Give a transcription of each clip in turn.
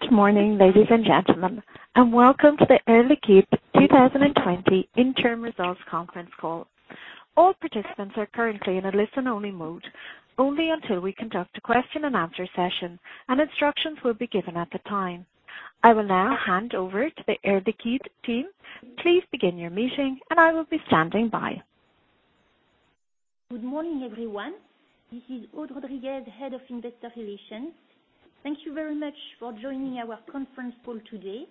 Good morning, ladies and gentlemen, and welcome to the Air Liquide 2020 Interim Results conference call. All participants are currently in a listen-only mode, only until we conduct a question and answer session, and instructions will be given at the time. I will now hand over to the Air Liquide team. Please begin your meeting and I will be standing by. Good morning, everyone. This is Aude Rodriguez, Head of Investor Relations. Thank you very much for joining our conference call today.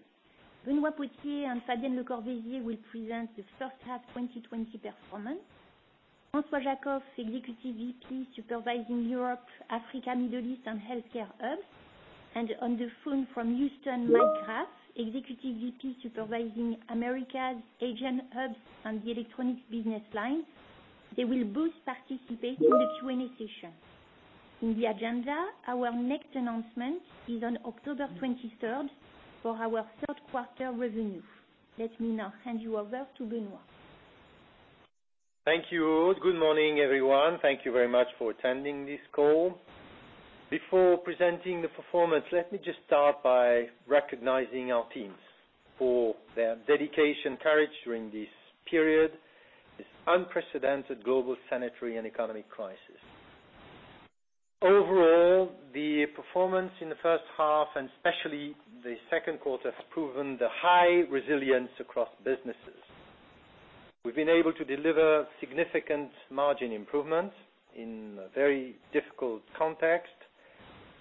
Benoît Potier and Fabienne Lecorvaisier will present the first half 2020 performance. Francois Jackow, Executive Vice President supervising Europe, Africa, Middle East, and Healthcare hubs, and on the phone from Houston, Mike Graff, Executive Vice President supervising Americas, Asian hubs, and the electronics business lines. They will both participate in the Q&A session. In the agenda, our next announcement is on October 23rd for our third quarter revenue. Let me now hand you over to Benoît. Thank you. Good morning, everyone. Thank you very much for attending this call. Before presenting the performance, let me just start by recognizing our teams for their dedication, courage during this period, this unprecedented global sanitary and economic crisis. Overall, the performance in the first half and especially the second quarter has proven the high resilience across businesses. We've been able to deliver significant margin improvements in a very difficult context.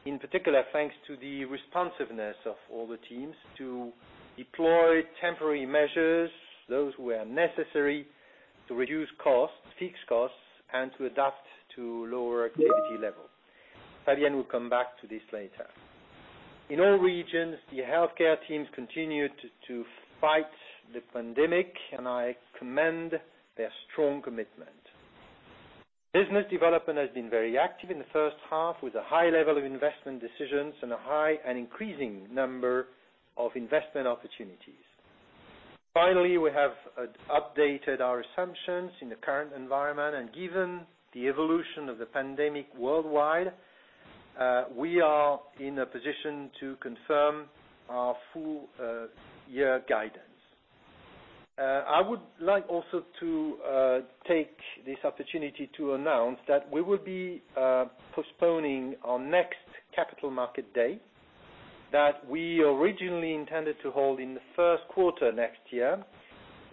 In particular, thanks to the responsiveness of all the teams to deploy temporary measures, those who are necessary to reduce costs, fixed costs, and to adapt to lower activity levels. Fabienne will come back to this later. In all regions, the healthcare teams continued to fight the pandemic, and I commend their strong commitment. Business development has been very active in the first half with a high level of investment decisions and a high and increasing number of investment opportunities. We have updated our assumptions in the current environment, and given the evolution of the pandemic worldwide, we are in a position to confirm our full year guidance. I would like also to take this opportunity to announce that we will be postponing our next capital market day that we originally intended to hold in the first quarter next year.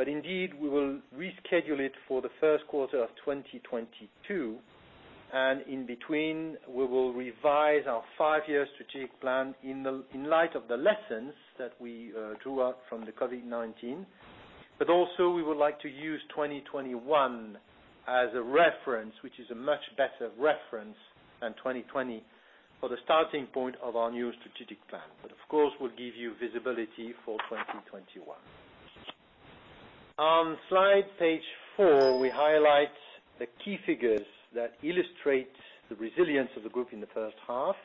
Indeed, we will reschedule it for the first quarter of 2022, and in between, we will revise our five-year strategic plan in light of the lessons that we drew out from the COVID-19. Also, we would like to use 2021 as a reference, which is a much better reference than 2020 for the starting point of our new strategic plan. Of course, we'll give you visibility for 2021. On slide page four, we highlight the key figures that illustrate the resilience of the group in the first half.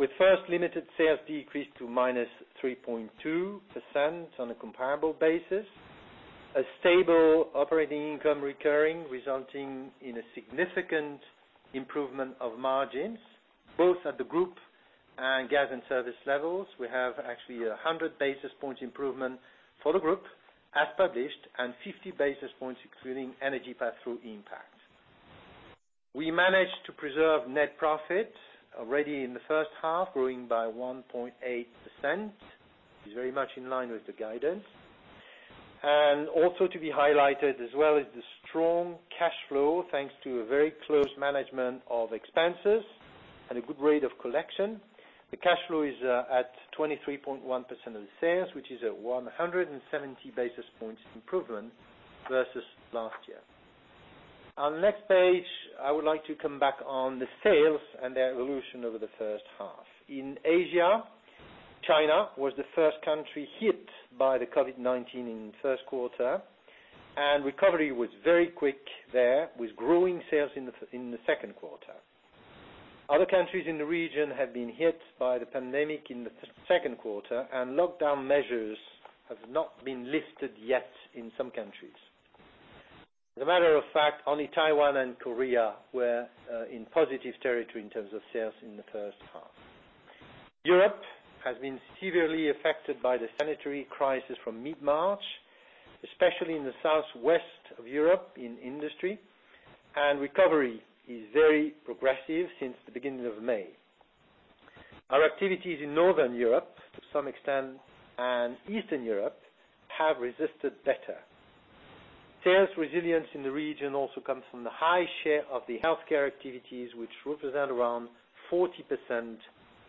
With first limited sales decrease to -3.2% on a comparable basis, a stable operating income recurring resulting in a significant improvement of margins, both at the group and gas and service levels. We have actually 100 basis points improvement for the group as published and 50 basis points excluding energy pass-through impact. We managed to preserve net profit already in the first half, growing by 1.8%, is very much in line with the guidance. And also to be highlighted as well is the strong cash flow, thanks to a very close management of expenses and a good rate of collection. The cash flow is at 23.1% of the sales, which is a 170 basis points improvement versus last year. On the next page, I would like to come back on the sales and their evolution over the first half. In Asia, China was the first country hit by the COVID-19 in first quarter, and recovery was very quick there with growing sales in the second quarter. Other countries in the region have been hit by the pandemic in the second quarter, and lockdown measures have not been lifted yet in some countries. As a matter of fact, only Taiwan and Korea were in positive territory in terms of sales in the first half. Europe has been severely affected by the sanitary crisis from mid-March, especially in the southwest of Europe in industry, and recovery is very progressive since the beginning of May. Our activities in Northern Europe, to some extent, and Eastern Europe have resisted better. Sales resilience in the region also comes from the high share of the healthcare activities, which represent around 40%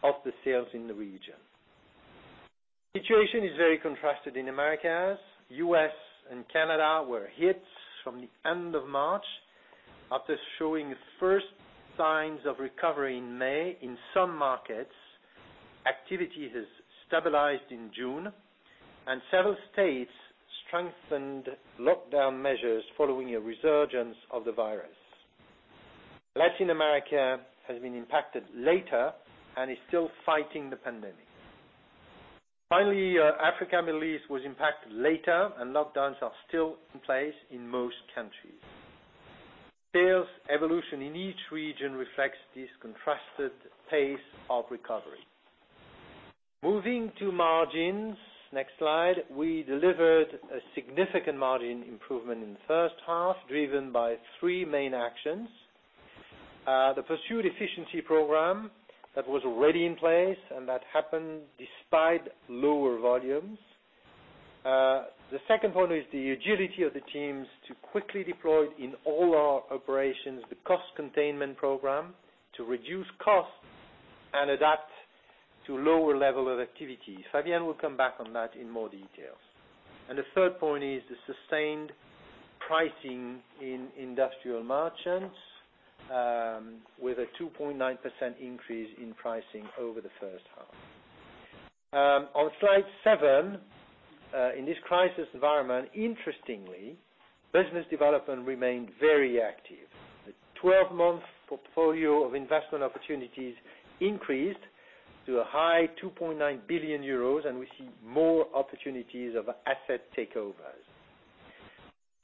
of the sales in the region. Situation is very contrasted in Americas. U.S. and Canada were hit from the end of March after showing first signs of recovery in May in some markets. Activity has stabilized in June, and several states strengthened lockdown measures following a resurgence of the virus. Latin America has been impacted later and is still fighting the pandemic. Finally, Africa and Middle East was impacted later and lockdowns are still in place in most countries. Sales evolution in each region reflects this contrasted pace of recovery. Moving to margins, next slide. We delivered a significant margin improvement in the first half, driven by three main actions. The pursued efficiency program that was already in place, and that happened despite lower volumes. The second point is the agility of the teams to quickly deploy in all our operations, the cost containment program to reduce costs and adapt to lower level of activity. Fabienne will come back on that in more details. The third point is the sustained pricing in industrial merchants, with a 2.9% increase in pricing over the first half. On slide seven, in this crisis environment, interestingly, business development remained very active. The 12-month portfolio of investment opportunities increased to a high 2.9 billion euros, and we see more opportunities of asset takeovers.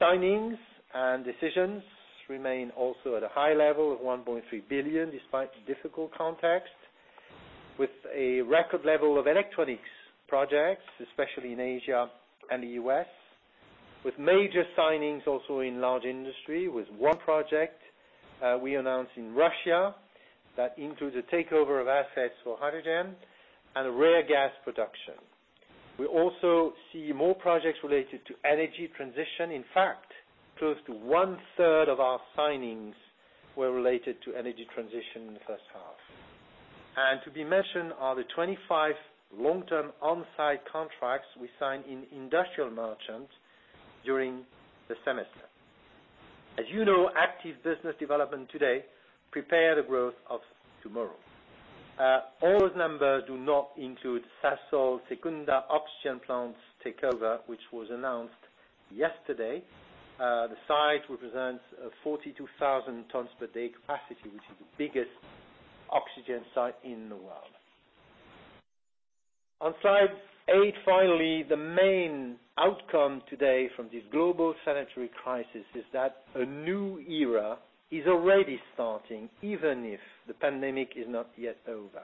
Signings and decisions remain also at a high level of 1.3 billion, despite the difficult context, with a record level of electronics projects, especially in Asia and the U.S., with major signings also in large industry with one project we announced in Russia that includes a takeover of assets for hydrogen and rare gas production. We also see more projects related to energy transition. Close to one-third of our signings were related to energy transition in the first half. To be mentioned are the 25 long-term on-site contracts we signed in industrial merchants during the semester. As you know, active business development today prepare the growth of tomorrow. All those numbers do not include Sasol Secunda oxygen plants takeover, which was announced yesterday. The site represents a 42,000 tons per day capacity, which is the biggest oxygen site in the world. On slide eight, finally, the main outcome today from this global sanitary crisis is that a new era is already ting, even if the pandemic is not yet over.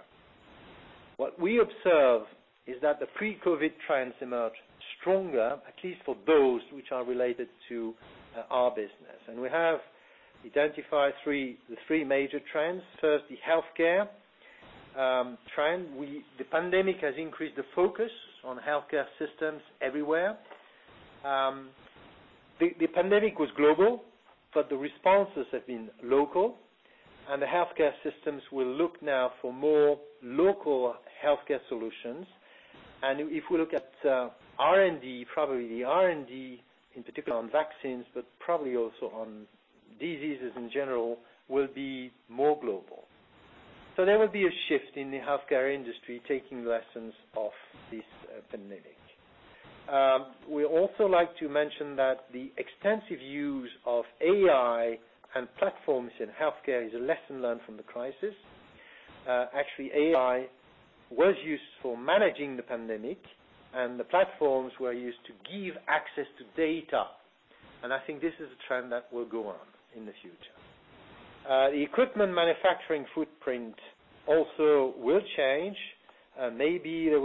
What we observe is that the pre-COVID trends emerged stronger, at least for those which are related to our business. We have identified the three major trends. First, the healthcare trend. The pandemic has increased the focus on healthcare systems everywhere. The pandemic was global, but the responses have been local. The healthcare systems will look now for more local healthcare solutions. If we look at R&D, probably the R&D, in particular on vaccines, but probably also on diseases in general, will be more global. There will be a shift in the healthcare industry taking lessons of this pandemic. We also like to mention that the extensive use of AI and platforms in healthcare is a lesson learned from the crisis. Actually, AI was used for managing the pandemic, and the platforms were used to give access to data. I think this is a trend that will go on in the future. The equipment manufacturing footprint also will change. Maybe there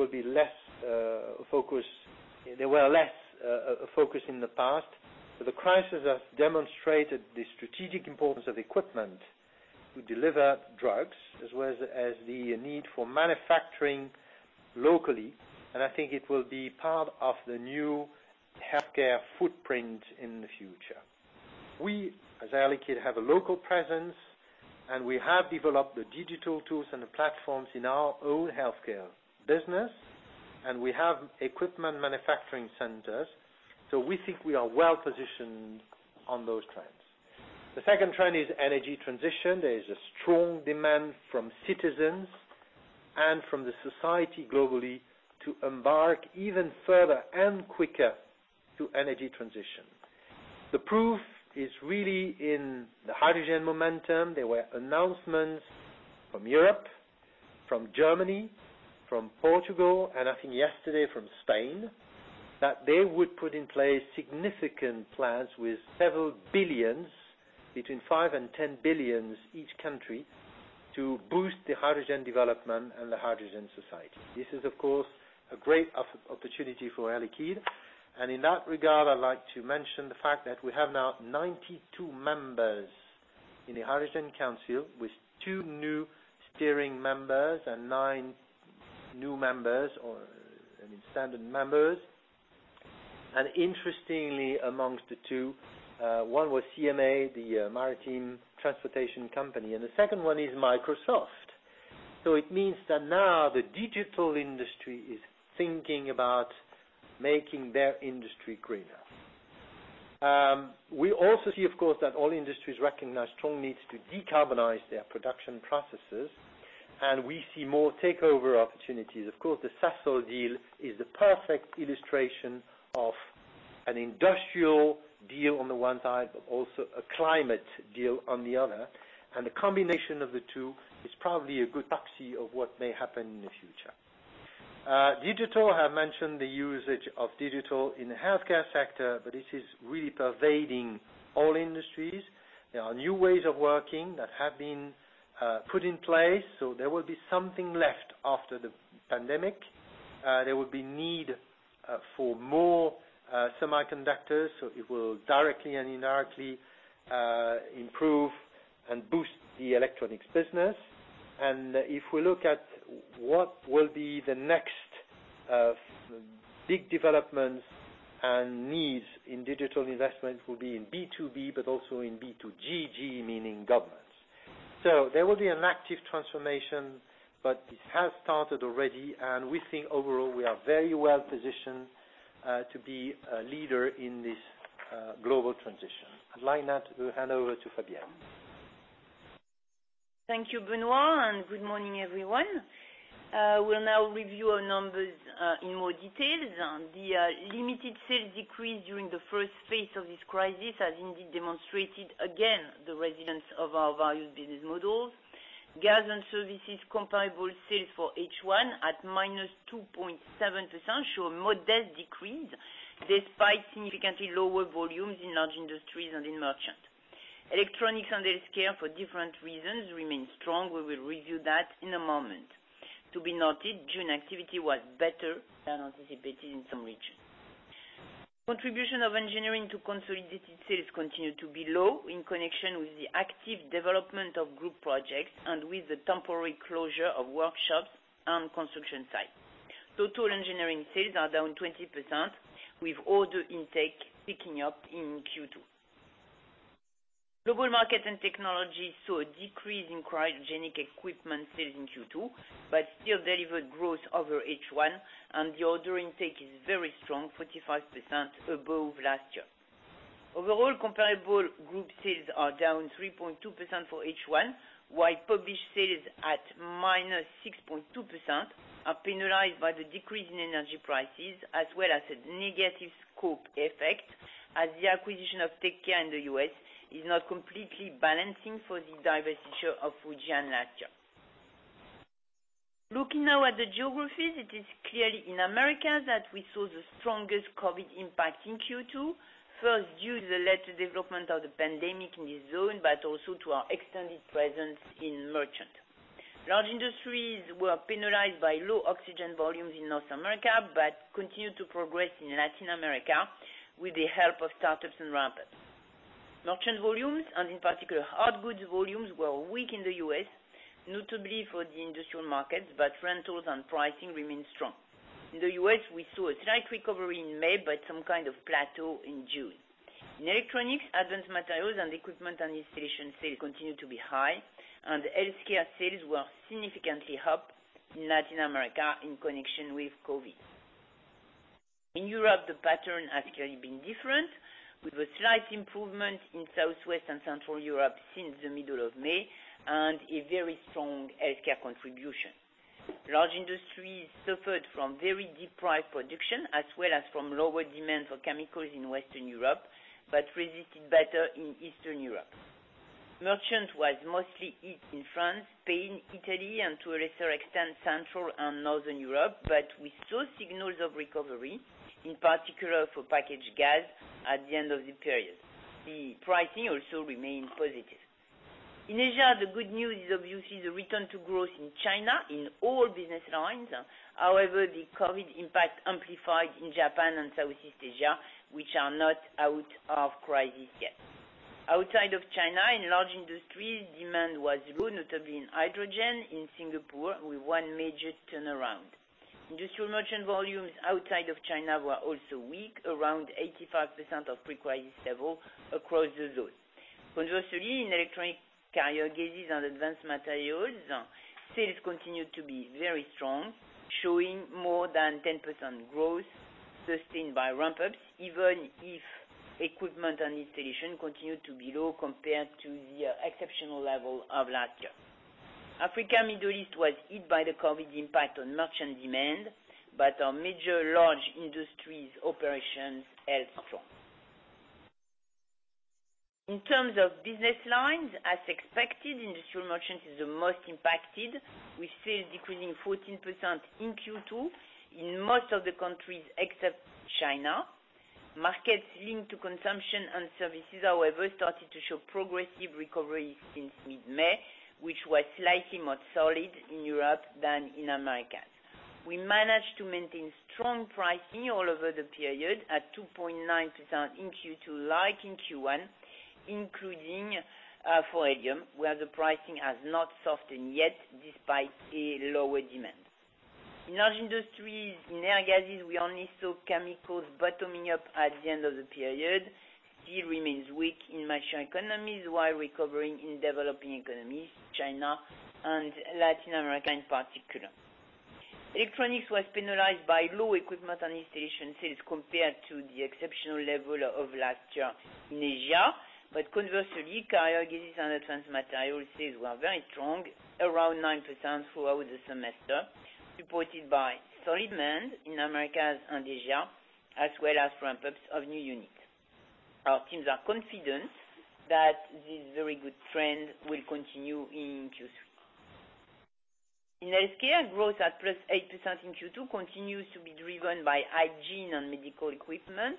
were less focus in the past, the crisis has demonstrated the strategic importance of equipment to deliver drugs, as well as the need for manufacturing locally. I think it will be part of the new healthcare footprint in the future. We, as Air Liquide, have a local presence, and we have developed the digital tools and the platforms in our own healthcare business, and we have equipment manufacturing centers. We think we are well-positioned on those trends. The second trend is energy transition. There is a strong demand from citizens and from the society globally to embark even further and quicker to energy transition. The proof is really in the hydrogen momentum. There were announcements from Europe, from Germany, from Portugal, and I think yesterday from Spain, that they would put in place significant plans with several billion EUR, between 5 billion EUR and 10 billion EUR each country, to boost the hydrogen development and the hydrogen society. In that regard, I'd like to mention the fact that we have now 92 members in the Hydrogen Council with two new steering members and 9 new members or standard members. Interestingly, amongst the two, one was CMA, the maritime transportation company, and the second one is Microsoft. It means that now the digital industry is thinking about making their industry greener. We also see, of course, that all industries recognize strong needs to decarbonize their production processes, and we see more takeover opportunities. Of course, the Sasol deal is the perfect illustration of an industrial deal on the one side, but also a climate deal on the other. The combination of the two is probably a good proxy of what may happen in the future. Digital, I have mentioned the usage of digital in the healthcare sector, but this is really pervading all industries. There are new ways of working that have been put in place, so there will be something left after the pandemic. There will be need for more semiconductors, so it will directly and indirectly improve and boost the electronics business. If we look at what will be the next big developments and needs in digital investment will be in B2B, but also in B2G, G meaning government. There will be an active transformation, but this has ted already and we think overall, we are very well positioned to be a leader in this global transition. I'd like now to hand over to Fabienne. Thank you, Benoît. Good morning, everyone. We'll now review our numbers in more details. The limited sales decrease during the first phase of this crisis has indeed demonstrated again, the resilience of our various business models. Gas and services comparable sales for H1 at -2.7% show a modest decrease, despite significantly lower volumes in large industries and in merchant. Electronics and healthcare for different reasons, remain strong. We will review that in a moment. To be noted, June activity was better than anticipated in some regions. Contribution of engineering to consolidated sales continued to be low in connection with the active development of group projects and with the temporary closure of workshops and construction sites. Total engineering sales are down 20%, with order intake picking up in Q2. Global Markets and Technologies saw a decrease in cryogenic equipment sales in Q2, but still delivered growth over H1 and the order intake is very strong, 45% above last year. Overall, comparable group sales are down 3.2% for H1, while published sales at -6.2% are penalized by the decrease in energy prices, as well as a negative scope effect as the acquisition of Tech Air in the U.S. is now completely balancing for the divestiture of Fujian last year. Looking now at the geographies, it is clearly in America that we saw the strongest COVID impact in Q2. First, due to the later development of the pandemic in this zone, but also to our extended presence in merchant. Large industries were penalized by low oxygen volumes in North America, but continued to progress in Latin America with the help of start-ups and ramp-ups. Merchant volumes, and in particular hard goods volumes, were weak in the U.S., notably for the industrial markets, but rentals and pricing remain strong. In the U.S., we saw a slight recovery in May, but some kind of plateau in June. In electronics, advanced materials and equipment, and installation sales continued to be high, and the healthcare sales were significantly up in Latin America in connection with COVID-19. In Europe, the pattern has clearly been different, with a slight improvement in Southwest and Central Europe since the middle of May and a very strong healthcare contribution. Large industries suffered from very deprived production as well as from lower demand for chemicals in Western Europe, but resisted better in Eastern Europe. Merchant was mostly hit in France, Spain, Italy, and to a lesser extent, Central and Northern Europe, but we saw signals of recovery, in particular for packaged gas at the end of the period. The pricing also remained positive. In Asia, the good news is obviously the return to growth in China in all business lines. The COVID-19 impact amplified in Japan and Southeast Asia, which are not out of crisis yet. Outside of China, in large industries, demand was good, notably in hydrogen in Singapore, with one major turnaround. Industrial merchant volumes outside of China were also weak, around 85% of pre-crisis level across the zone. In electronic carrier gases and advanced materials, sales continued to be very strong, showing more than 10% growth sustained by ramp-ups, even if equipment and installation continued to be low compared to the exceptional level of last year. Africa, Middle East was hit by the COVID impact on merchant demand, but our major large industries operations held strong. In terms of business lines, as expected, industrial merchants is the most impacted, with sales decreasing 14% in Q2 in most of the countries except China. Markets linked to consumption and services, however, ted to show progressive recovery since mid-May, which was slightly more solid in Europe than in Americas. We managed to maintain strong pricing all over the period at 2.9% in Q2, like in Q1, including for helium, where the pricing has not softened yet despite a lower demand. In large industries, in air gases, we only saw chemicals bottoming up at the end of the period. It remains weak in mature economies while recovering in developing economies, China and Latin America in particular. Electronics was penalized by low equipment and installation sales compared to the exceptional level of last year in Asia. Conversely, cryogenics and advanced materials sales were very strong, around 9% throughout the semester, supported by solid demand in Americas and Asia, as well as ramp-ups of new units. Our teams are confident that this very good trend will continue in Q3. In Healthcare, growth at +8% in Q2 continues to be driven by hygiene and medical equipment.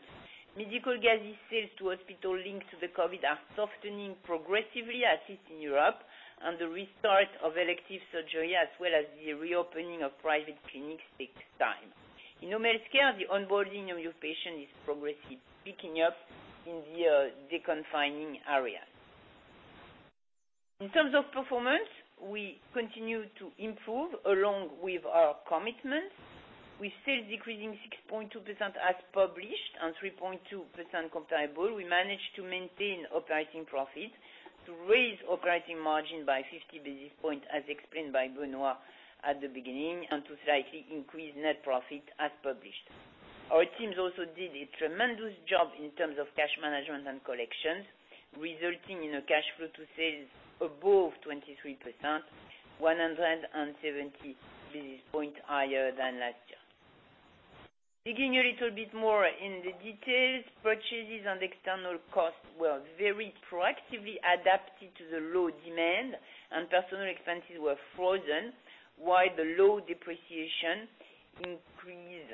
Medical gases sales to hospital linked to the COVID are softening progressively, at least in Europe, and the restart of elective surgery as well as the reopening of private clinics takes time. In Home Healthcare, the onboarding of new patients is progressively picking up in the deconfining areas. In terms of performance, we continue to improve along with our commitments, with sales decreasing 6.2% as published and 3.2% comparable. We managed to maintain operating profit to raise operating margin by 50 basis points, as explained by Benoît at the beginning, and to slightly increase net profit as published. Our teams also did a tremendous job in terms of cash management and collections, resulting in a cash flow to sales above 23%, 170 basis points higher than last year. Digging a little bit more in the details, purchases and external costs were very proactively adapted to the low demand, and personal expenses were frozen while the low depreciation increased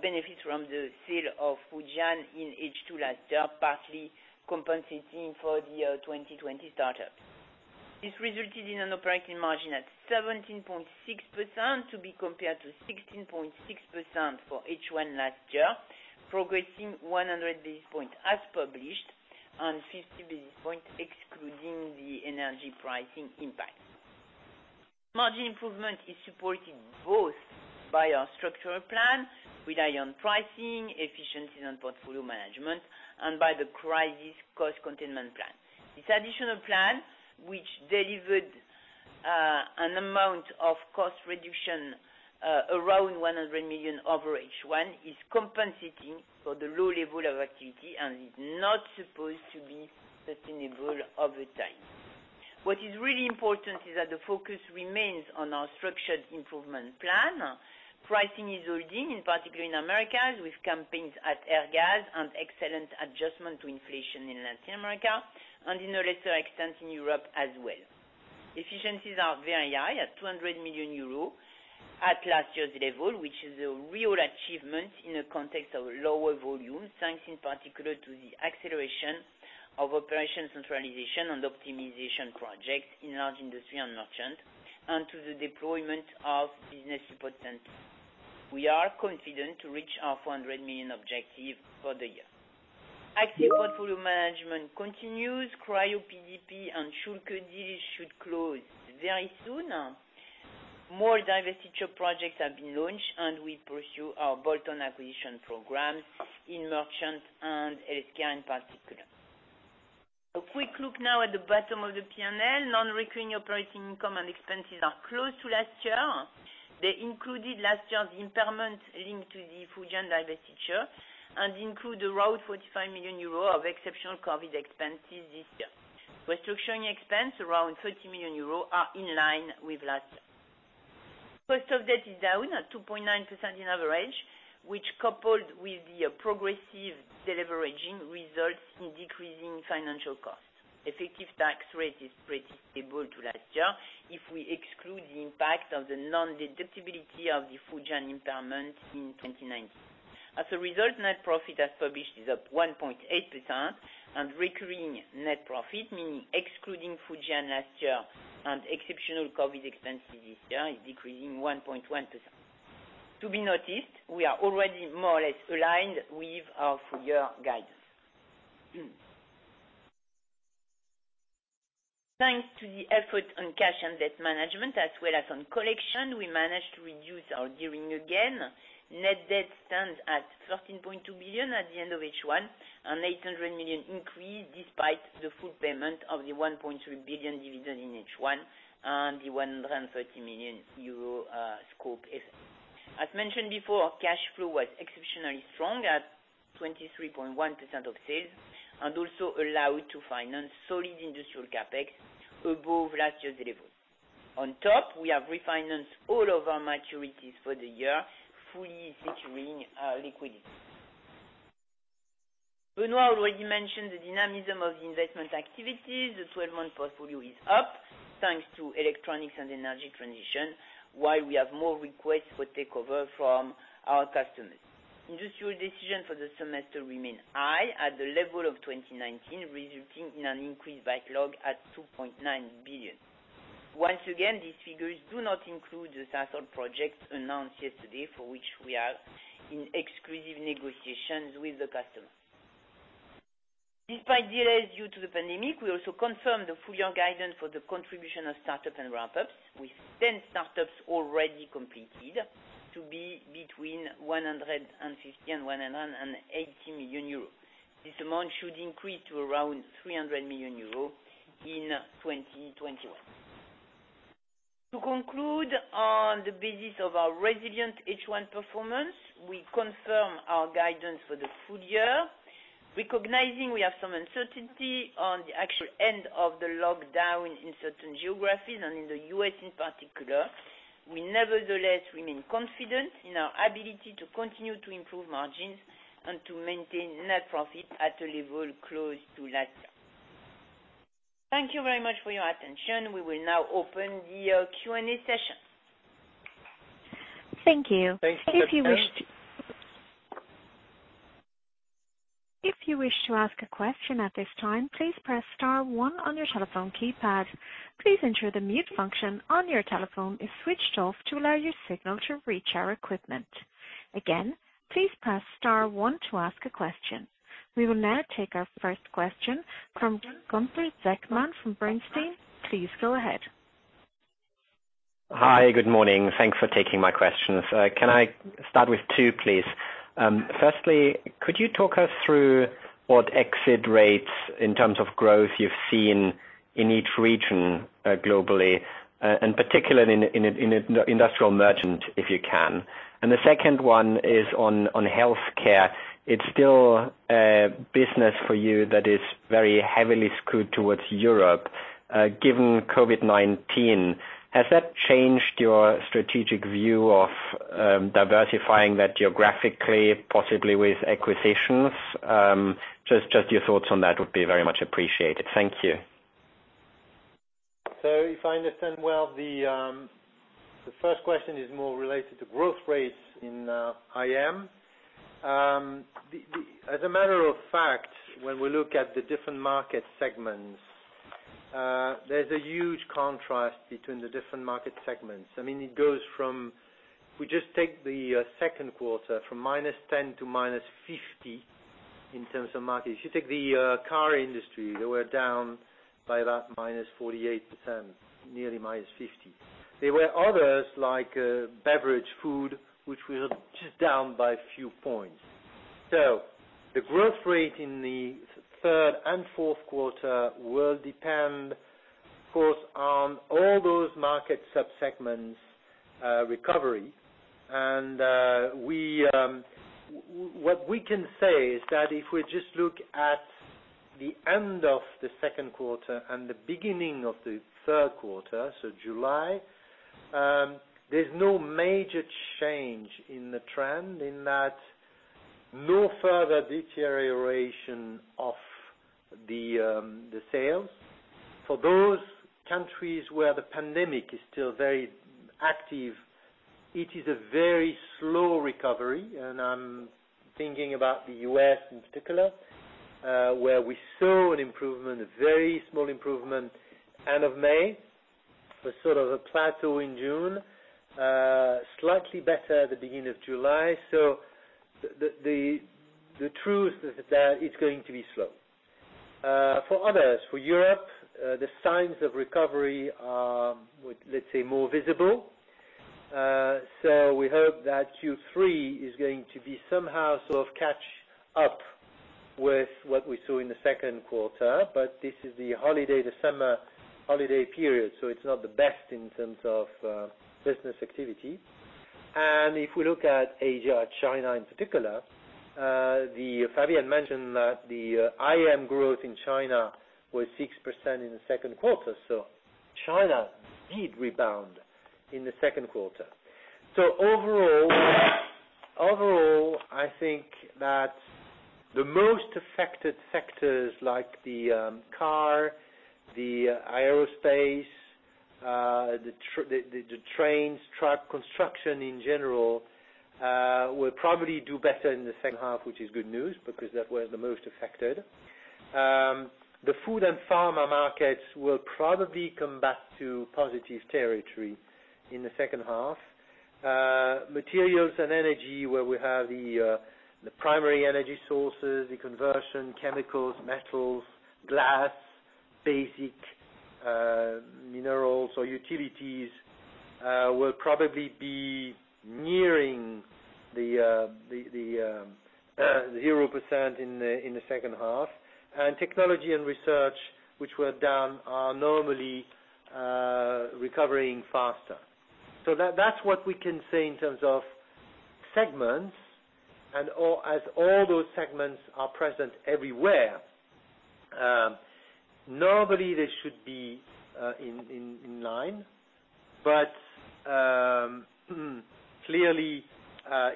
benefits from the sale of Fujian in H2 last year, partly compensating for the 2020 tup. This resulted in an operating margin at 17.6%, to be compared to 16.6% for H1 last year, progressing 100 basis points as published and 50 basis points excluding the energy pricing impact. Margin improvement is supported both by our structural plan, rely on pricing, efficiencies and portfolio management, and by the crisis cost containment plan. This additional plan, which delivered an amount of cost reduction around 100 million over H1, is compensating for the low level of activity and is not supposed to be sustainable over time. What is really important is that the focus remains on our structured improvement plan. Pricing is holding, in particular in Americas, with campaigns at Airgas and excellent adjustment to inflation in Latin America, and in a lesser extent in Europe as well. Efficiencies are very high at 200 million euros, at last year's level, which is a real achievement in a context of lower volume, thanks in particular to the acceleration of operation centralization and optimization projects in Large Industrial and Merchant, and to the deployment of business support centers. We are confident to reach our 400 million objective for the year. Active portfolio management continues. CRYOPDP and schülke deals should close very soon. More divestiture projects have been launched, and we pursue our bolt-on acquisition program in Merchant and Healthcare in particular. A quick look now at the bottom of the P&L. Non-recurring operating income and expenses are close to last year. They included last year's impairment linked to the Fujian divestiture and include around 45 million euros of exceptional COVID expenses this year. Restructuring expense, around 30 million euros, are in line with last year. Cost of debt is down at 2.9% in average, which coupled with the progressive deleveraging, results in decreasing financial cost. Effective tax rate is pretty stable to last year if we exclude the impact of the non-deductibility of the Fujian impairment in 2019. As a result, net profit as published is up 1.8%, and recurring net profit, meaning excluding Fujian last year and exceptional COVID expenses this year, is decreasing 1.1%. To be noticed, we are already more or less aligned with our full-year guidance. Thanks to the effort on cash and debt management as well as on collection, we managed to reduce our gearing again. Net debt stands at 13.2 billion at the end of H1, an 800 million increase despite the full payment of the 1.3 billion dividend in H1 and the 130 million euro scope. As mentioned before, cash flow was exceptionally strong at 23.1% of sales and also allowed to finance solid industrial CapEx above last year's level. On top, we have refinanced all of our maturities for the year, fully securing our liquidity. Benoît already mentioned the dynamism of the investment activities. The 12-month portfolio is up, thanks to electronics and energy transition, while we have more requests for takeover from our customers. Industrial decisions for the semester remain high at the level of 2019, resulting in an increased backlog at 2.9 billion. Once again, these figures do not include the Sasol project announced yesterday, for which we are in exclusive negotiations with the customer. Despite delays due to the pandemic, we also confirm the full-year guidance for the contribution of tup and ramp-ups, with 10 start-ups already completed to be between 150 million and 180 million euros. This amount should increase to around 300 million euros in 2021. To conclude on the basis of our resilient H1 performance, we confirm our guidance for the full year, recognizing we have some uncertainty on the actual end of the lockdown in certain geographies and in the U.S. in particular. We nevertheless remain confident in our ability to continue to improve margins and to maintain net profit at a level close to last year. Thank you very much for your attention. We will now open the Q&A session. Thank you. Thank you. If you wish to ask a question at this time, please press one on your telephone keypad. Please ensure the mute function on your telephone is switched off to allow your signal to reach our equipment. Again, please press one to ask a question. We will now take our first question from Gunther Zechmann from Bernstein. Please go ahead. Hi. Good morning. Thanks for taking my questions. Can I t with two, please? Firstly, could you talk us through what exit rates in terms of growth you've seen in each region, globally, and particularly in the Industrial Merchant, if you can? The second one is on healthcare. It's still a business for you that is very heavily skewed towards Europe. Given COVID-19, has that changed your strategic view of diversifying that geographically, possibly with acquisitions? Just your thoughts on that would be very much appreciated. Thank you. If I understand well, the first question is more related to growth rates in IM. As a matter of fact, when we look at the different market segments, there's a huge contrast between the different market segments. I mean, If we just take the second quarter, from -10 to -50 in terms of market. If you take the car industry, they were down by about -48%, nearly -50%. There were others like beverage, food, which were just down by a few points. The growth rate in the third and fourth quarter will depend, of course, on all those market sub-segments' recovery. What we can say is that if we just look at the end of the second quarter and the beginning of the third quarter, so July, there's no major change in the trend in that no further deterioration of the sales. For those countries where the pandemic is still very active, it is a very slow recovery, and I'm thinking about the U.S. in particular, where we saw an improvement, a very small improvement end of May, a sort of a plateau in June, slightly better at the beginning of July. The truth is that it's going to be slow. For others, for Europe, the signs of recovery are, let's say, more visible. We hope that Q3 is going to be somehow sort of catch up with what we saw in the second quarter. This is the holiday, the summer holiday period, so it's not the best in terms of business activity. If we look at Asia, China in particular, Fabienne mentioned that the IM growth in China was 6% in the second quarter. China did rebound in the second quarter. Overall, I think that the most affected sectors like the car, the aerospace, the trains, truck construction in general, will probably do better in the second half, which is good news because that was the most affected. The food and pharma markets will probably come back to positive territory in the second half. Materials and energy, where we have the primary energy sources, the conversion, chemicals, metals, glass, basic minerals or utilities, will probably be nearing the 0% in the second half. Technology and research, which were down, are normally recovering faster. That's what we can say in terms of segments and as all those segments are present everywhere, normally they should be in line. Clearly,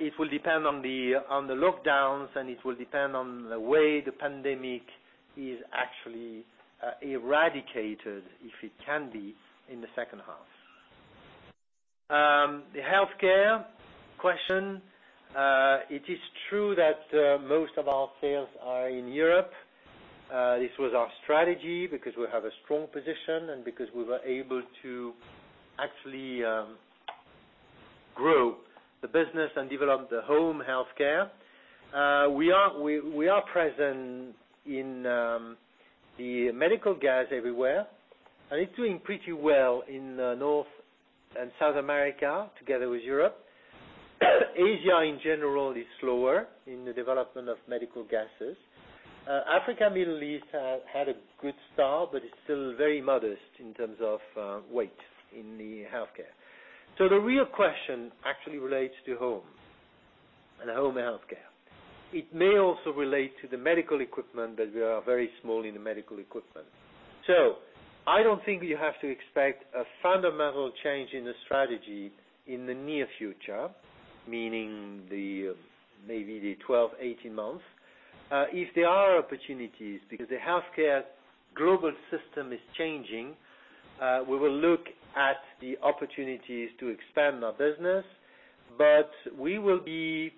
it will depend on the lockdowns, and it will depend on the way the pandemic is actually eradicated, if it can be in the second half. The healthcare question, it is true that most of our sales are in Europe. This was our strategy because we have a strong position and because we were able to actually grow the business and develop the home healthcare. We are present in the medical gas everywhere, and it's doing pretty well in North and South America together with Europe. Asia in general is slower in the development of medical gases. Africa and Middle East had a good t, but it's still very modest in terms of weight in the healthcare. The real question actually relates to home and home healthcare. It may also relate to the medical equipment, that we are very small in the medical equipment. I don't think you have to expect a fundamental change in the strategy in the near future, meaning maybe the 12, 18 months. If there are opportunities because the healthcare global system is changing, we will look at the opportunities to expand our business. We will be,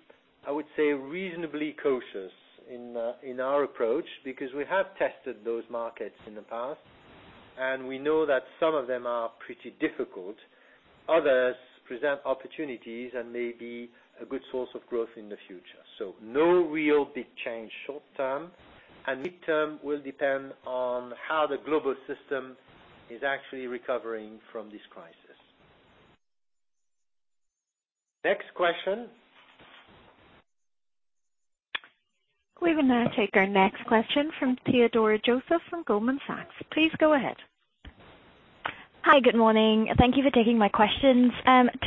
I would say, reasonably cautious in our approach, because we have tested those markets in the past, and we know that some of them are pretty difficult. Others present opportunities and may be a good source of growth in the future. No real big change short-term, and mid-term will depend on how the global system is actually recovering from this crisis. Next question. We will now take our next question from Theodora Joseph from Goldman Sachs. Please go ahead. Hi. Good morning. Thank you for taking my questions.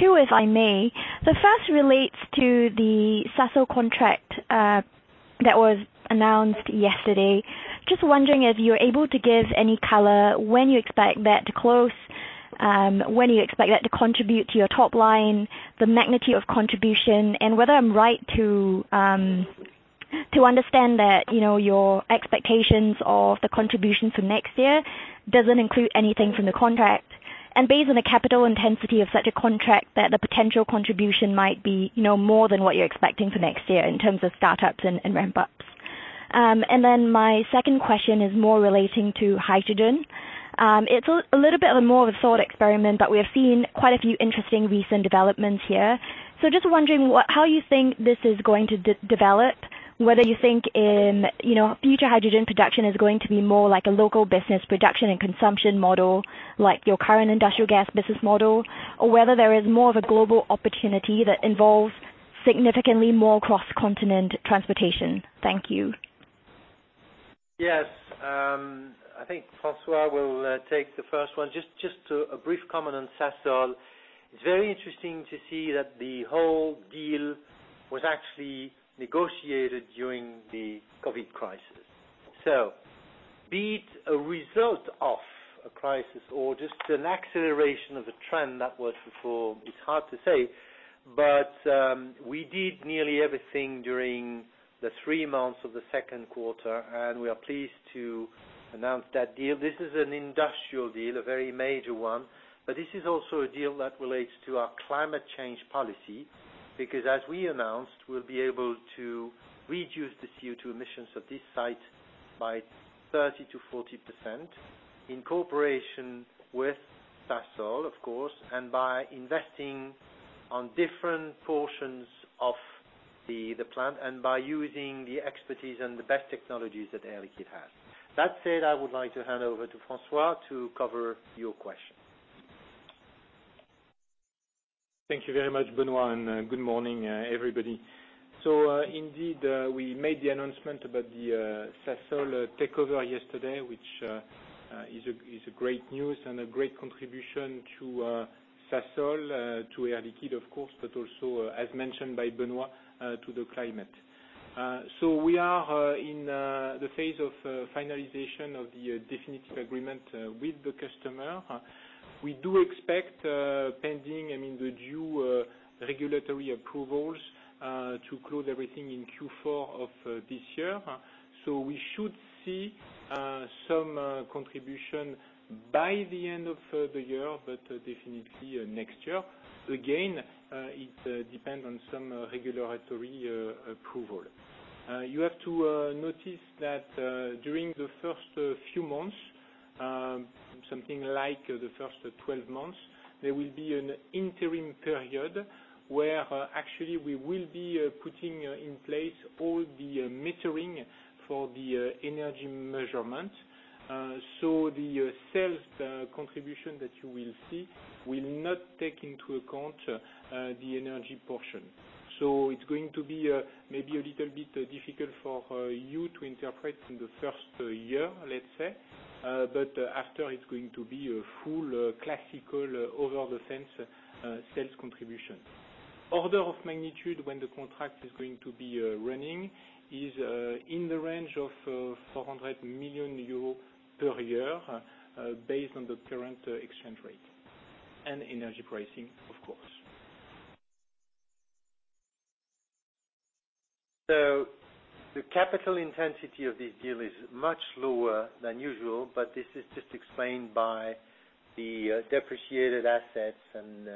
Two, if I may. The first relates to the Sasol contract that was announced yesterday. Just wondering if you're able to give any color, when you expect that to close, when you expect that to contribute to your top line, the magnitude of contribution, and whether I'm right to understand that your expectations of the contribution for next year doesn't include anything from the contract. Based on the capital intensity of such a contract, that the potential contribution might be more than what you're expecting for next year in terms of start-ups and ramp-ups. My second question is more relating to hydrogen. It's a little bit of more of a thought experiment, but we have seen quite a few interesting recent developments here. Just wondering how you think this is going to develop, whether you think future hydrogen production is going to be more like a local business production and consumption model, like your current industrial gas business model, or whether there is more of a global opportunity that involves significantly more cross-continent transportation? Thank you. Yes. I think Francois will take the first one. Just a brief comment on Sasol. It is very interesting to see that the whole deal was actually negotiated during the COVID crisis. Be it a result of a crisis or just an acceleration of a trend that was before, it is hard to say. We did nearly everything during the three months of the second quarter, and we are pleased to announce that deal. This is an industrial deal, a very major one. This is also a deal that relates to our climate change policy, because as we announced, we will be able to reduce the CO2 emissions of this site by 30%-40% in cooperation with Sasol, of course, and by investing on different portions of the plant and by using the expertise and the best technologies that Air Liquide has. That said, I would like to hand over to Francois to cover your question. Thank you very much, Benoît, good morning, everybody. Indeed, we made the announcement about the Sasol takeover yesterday, which is great news and a great contribution to Sasol, to Air Liquide, of course, but also, as mentioned by Benoît, to the climate. We are in the phase of finalization of the definitive agreement with the customer. We do expect, pending the due regulatory approvals, to close everything in Q4 of this year. We should see some contribution by the end of the year, but definitely next year. Again, it depends on some regulatory approval. You have to notice that during the first few months, something like the first 12 months, there will be an interim period where actually we will be putting in place all the metering for the energy measurement. The sales contribution that you will see will not take into account the energy portion. It's going to be maybe a little bit difficult for you to interpret in the first year, let's say. After, it's going to be a full classical over the fence sales contribution. Order of magnitude when the contract is going to be running is in the range of 400 million euro per year based on the current exchange rate and energy pricing, of course. The capital intensity of this deal is much lower than usual, but this is just explained by the depreciated assets and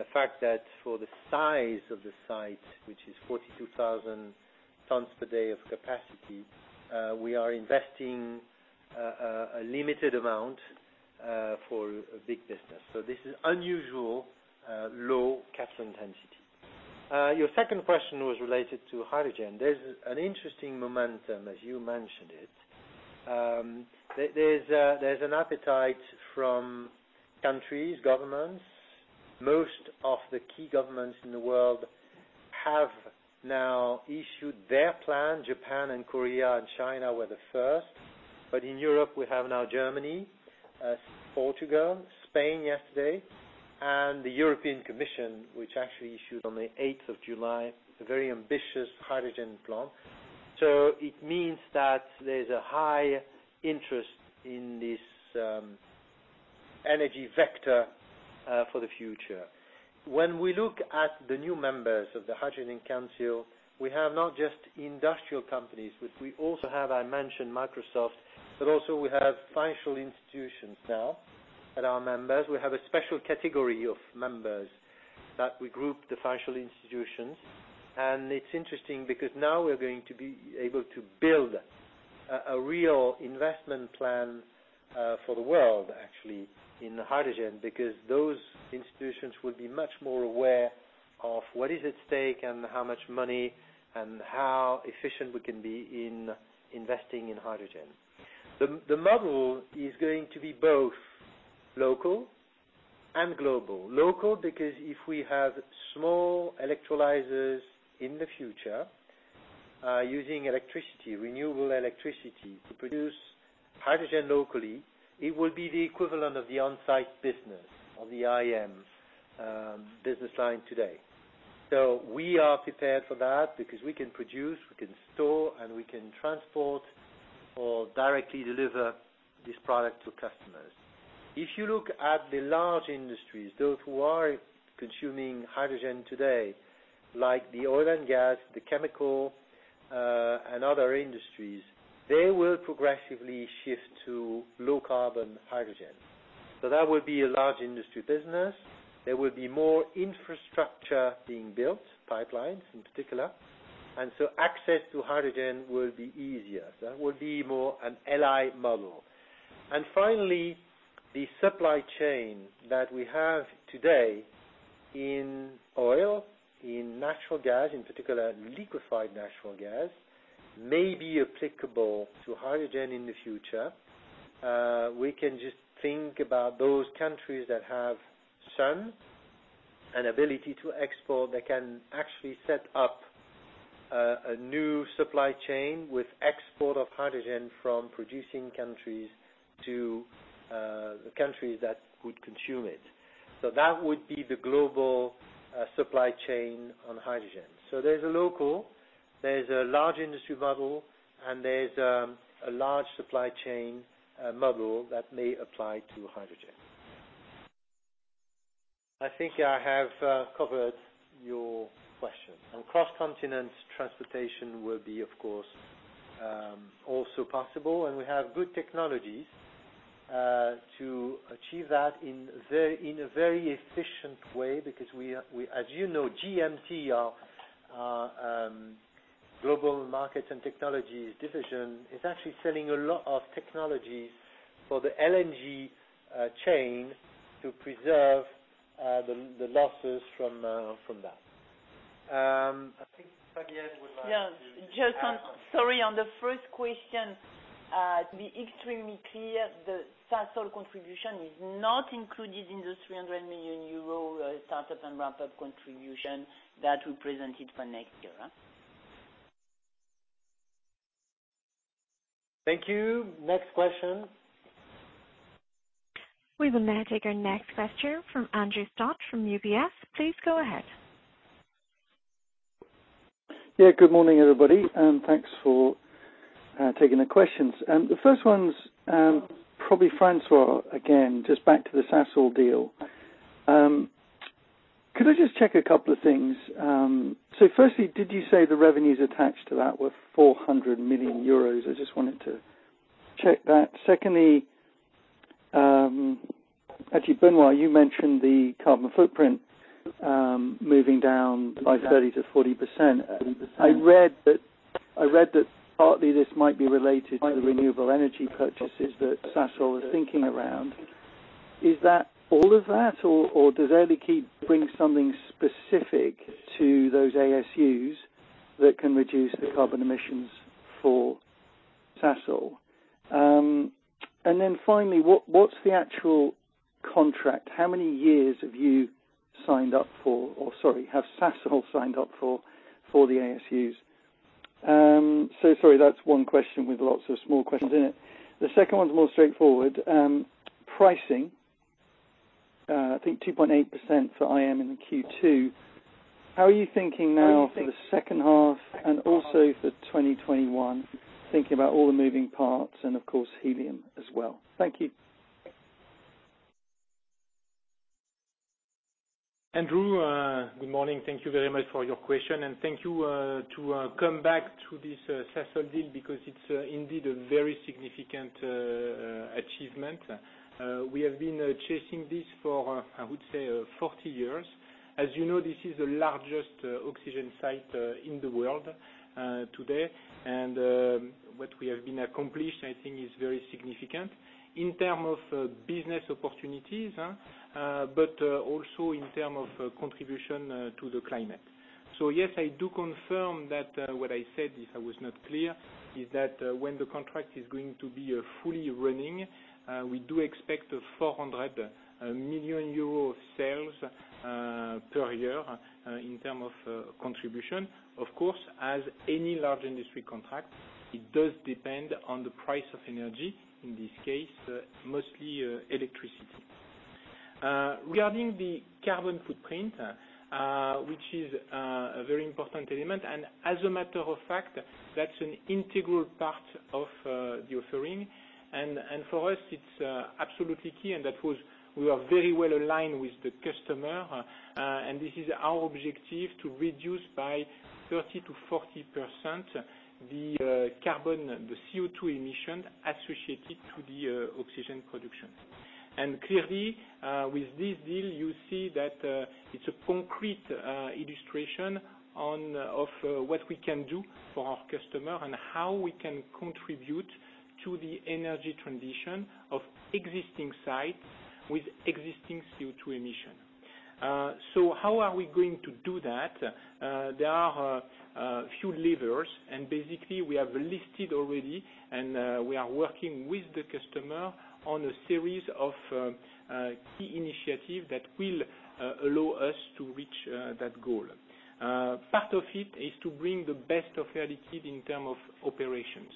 the fact that for the size of the site, which is 42,000 tons per day of capacity, we are investing a limited amount for a big business. This is unusual low capital intensity. Your second question was related to hydrogen. There's an interesting momentum, as you mentioned it. There's an appetite from countries, governments. Most of the key governments in the world have now issued their plan. Japan and Korea and China were the first, in Europe we have now Germany, Portugal, Spain yesterday, and the European Commission, which actually issued on the eighth of July, a very ambitious hydrogen plan. It means that there's a high interest in this energy vector for the future. When we look at the new members of the Hydrogen Council, we have not just industrial companies, which we also have, I mentioned Microsoft, but also we have financial institutions now at our members. We have a special category of members that we group the financial institutions. It's interesting because now we're going to be able to build a real investment plan for the world actually, in hydrogen, because those institutions will be much more aware of what is at stake and how much money and how efficient we can be in investing in hydrogen. The model is going to be both local and global. Local, because if we have small electrolyzers in the future, using renewable electricity to produce hydrogen locally, it will be the equivalent of the on-site business or the IM business line today. We are prepared for that because we can produce, we can store, and we can transport or directly deliver this product to customers. If you look at the large industries, those who are consuming hydrogen today, like the oil and gas, the chemical, and other industries, they will progressively shift to low carbon hydrogen. That will be a large industry business. There will be more infrastructure being built, pipelines in particular. Access to hydrogen will be easier. That will be more an LI model. Finally, the supply chain that we have today in oil, in natural gas, in particular liquified natural gas, may be applicable to hydrogen in the future. We can just think about those countries that have sun and ability to export that can actually set up a new supply chain with export of hydrogen from producing countries to the countries that would consume it. That would be the global supply chain on hydrogen. There's a local, there's a large industry model, and there's a large supply chain model that may apply to hydrogen. I think I have covered your question. Cross-continent transportation will be, of course, also possible. We have good technologies to achieve that in a very efficient way because as you know, GM&T, our Global Markets and Technologies division, is actually selling a lot of technologies for the LNG chain to preserve the losses from that. I think Fabienne would like to add. Yeah. Sorry, on the first question, to be extremely clear, the Sasol contribution is not included in the 300 million euro tup and ramp-up contribution that we presented for next year. Thank you. Next question. We will now take our next question from Andrew Stott from UBS. Please go ahead. Good morning, everybody, and thanks for taking the questions. The first one's probably Francois again, just back to the Sasol deal. Could I just check a couple of things? Firstly, did you say the revenues attached to that were 400 million euros? I just wanted to check that. Secondly, actually, Benoît, you mentioned the carbon footprint moving down by 30%-40%. I read that partly this might be related to the renewable energy purchases that Sasol is thinking around. Is that all of that, or does Air Liquide bring something specific to those ASUs that can reduce the carbon emissions for Sasol? Finally, what's the actual contract? How many years have you signed up for, or, sorry, have Sasol signed up for the ASUs? Sorry, that's one question with lots of small questions in it. The second one's more straightforward. Pricing, I think 2.8% for IM in Q2. How are you thinking now for the second half and also for 2021, thinking about all the moving parts and, of course, helium as well? Thank you. Andrew, good morning. Thank you very much for your question. Thank you to come back to this Sasol deal because it's indeed a very significant achievement. We have been chasing this for, I would say 40 years. As you know, this is the largest oxygen site in the world today, and what we have been accomplished, I think is very significant in term of business opportunities, but also in term of contribution to the climate. Yes, I do confirm that what I said, if I was not clear, is that when the contract is going to be fully running, we do expect 400 million euro of sales per year in term of contribution. Of course, as any large industry contract, it does depend on the price of energy, in this case, mostly electricity. Regarding the carbon footprint, which is a very important element, and as a matter of fact, that's an integral part of the offering. For us it's absolutely key, we are very well aligned with the customer, and this is our objective to reduce by 30%-40% the carbon, the CO2 emission associated to the oxygen production. Clearly, with this deal, you see that it's a concrete illustration of what we can do for our customer and how we can contribute to the energy transition of existing sites with existing CO2 emission. How are we going to do that? There are a few levers and basically we have listed already and we are working with the customer on a series of key initiatives that will allow us to reach that goal. Part of it is to bring the best of Air Liquide in term of operations.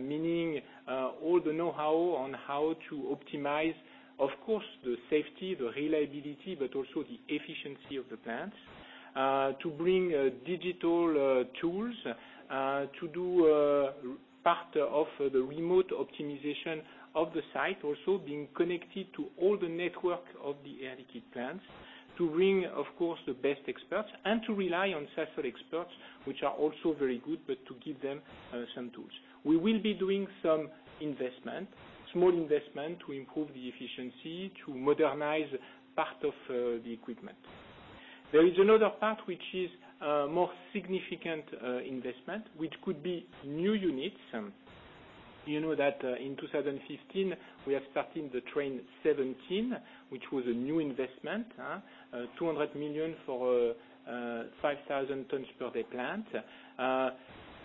Meaning all the know-how on how to optimize, of course, the safety, the reliability, but also the efficiency of the plants, to bring digital tools to do part of the remote optimization of the site. Also being connected to all the network of the Air Liquide plants. To bring, of course, the best experts and to rely on Sasol experts, which are also very good, but to give them some tools. We will be doing some investment, small investment to improve the efficiency, to modernize part of the equipment. There is another part which is a more significant investment, which could be new units. You know that in 2015, we are ting the train 17, which was a new investment, 200 million for 5,000 tons per day plant.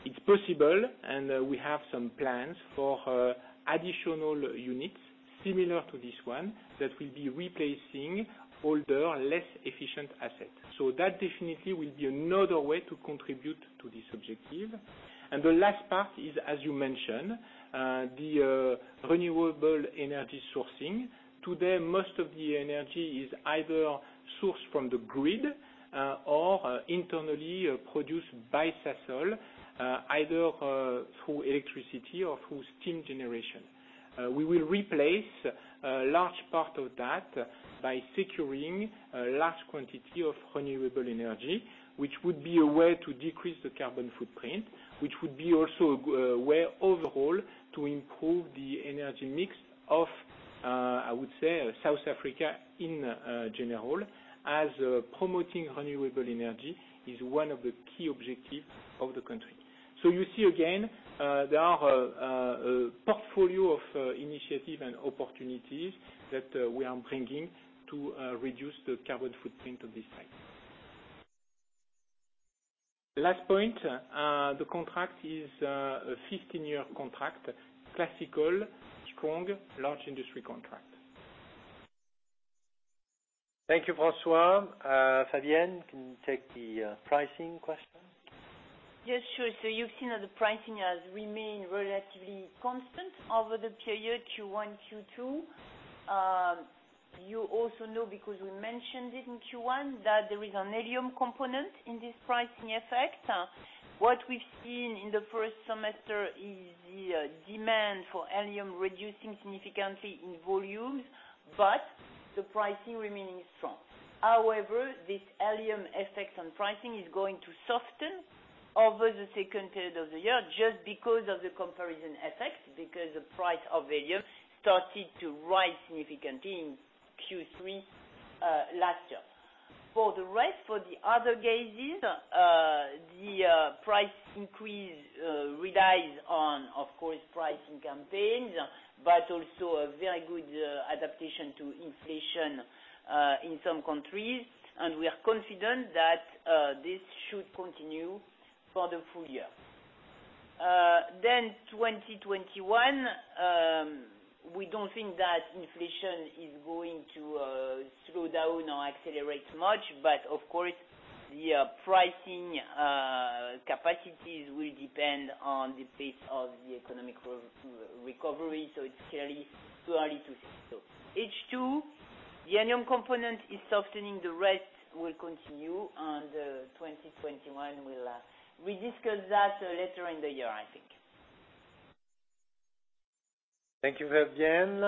It's possible and we have some plans for additional units similar to this one that will be replacing older, less efficient assets. That definitely will be another way to contribute to this objective. The last part is, as you mentioned, the renewable energy sourcing. Today, most of the energy is either sourced from the grid or internally produced by Sasol, either through electricity or through steam generation. We will replace a large part of that by securing a large quantity of renewable energy, which would be a way to decrease the carbon footprint, which would be also a way overall to improve the energy mix of, I would say, South Africa in general, as promoting renewable energy is one of the key objectives of the country. You see again, there are a portfolio of initiative and opportunities that we are bringing to reduce the carbon footprint of this site. Last point, the contract is a 15-year contract, classical, strong, large industry contract. Thank you, Francois. Fabienne, can you take the pricing question? Yes, sure. You've seen that the pricing has remained relatively constant over the period Q1, Q2. You also know, because we mentioned it in Q1, that there is an helium component in this pricing effect. What we've seen in the first semester is the demand for helium reducing significantly in volumes, but the pricing remaining strong. However, this helium effect on pricing is going to soften over the second period of the year just because of the comparison effect, because the price of helium ted to rise significantly in Q3 last year. For the rest, for the other gases, the price increase relies on, of course, pricing campaigns, but also a very good adaptation to inflation in some countries, and we are confident that this should continue for the full year. 2021, we don't think that inflation is going to slow down or accelerate much, but of course the pricing capacities will depend on the pace of the economic recovery. It's clearly too early to say so. H2, the helium component is softening, the rest will continue, and the 2021 we'll discuss that later in the year, I think. Thank you, Fabienne.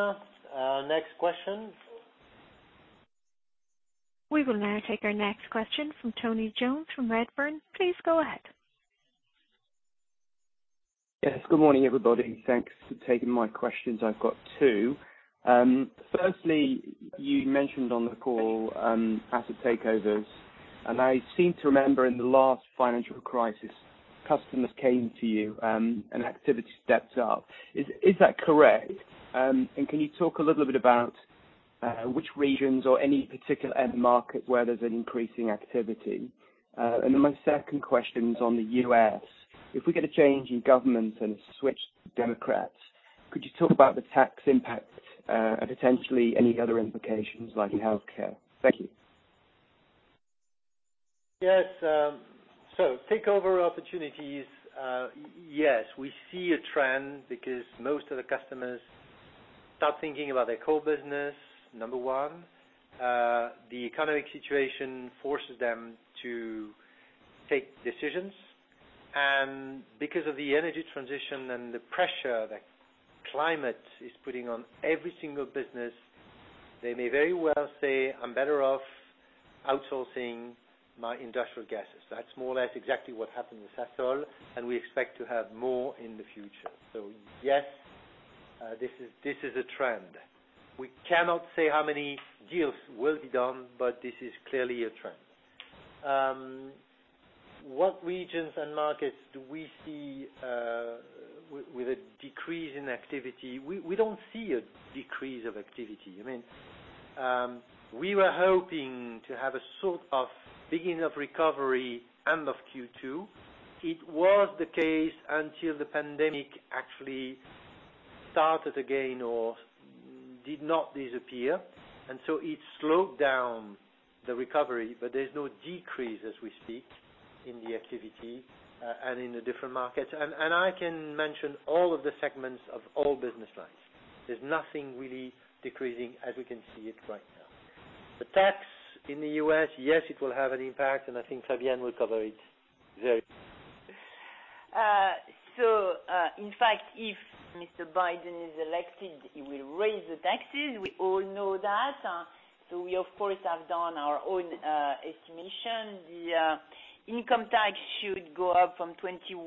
Next question. We will now take our next question from Tony Jones from Redburn. Please go ahead. Yes. Good morning, everybody. Thanks for taking my questions. I've got two. Firstly, you mentioned on the call, asset takeovers. I seem to remember in the last financial crisis, customers came to you, and activity stepped up. Is that correct? Can you talk a little bit about which regions or any particular end market where there's an increasing activity? My second question is on the U.S. If we get a change in government and a switch to Democrats, could you talk about the tax impact, and potentially any other implications like healthcare? Thank you. Yes. Takeover opportunities. Yes, we see a trend because most of the customers t thinking about their core business, number one. The economic situation forces them to take decisions. Because of the energy transition and the pressure that climate is putting on every single business, they may very well say, "I'm better off outsourcing my industrial gases." That's more or less exactly what happened with Sasol, and we expect to have more in the future. Yes, this is a trend. We cannot say how many deals will be done, but this is clearly a trend. What regions and markets do we see with a decrease in activity? We don't see a decrease of activity. We were hoping to have a sort of beginning of recovery end of Q2. It was the case until the pandemic actually ted again or did not disappear, and so it slowed down the recovery, but there's no decrease as we speak in the activity, and in the different markets. I can mention all of the segments of all business lines. There's nothing really decreasing as we can see it right now. The tax in the U.S., yes, it will have an impact, and I think Fabienne will cover it very. In fact, if Mr. Biden is elected, he will raise the taxes. We all know that. We of course, have done our own estimation. The income tax should go up from 21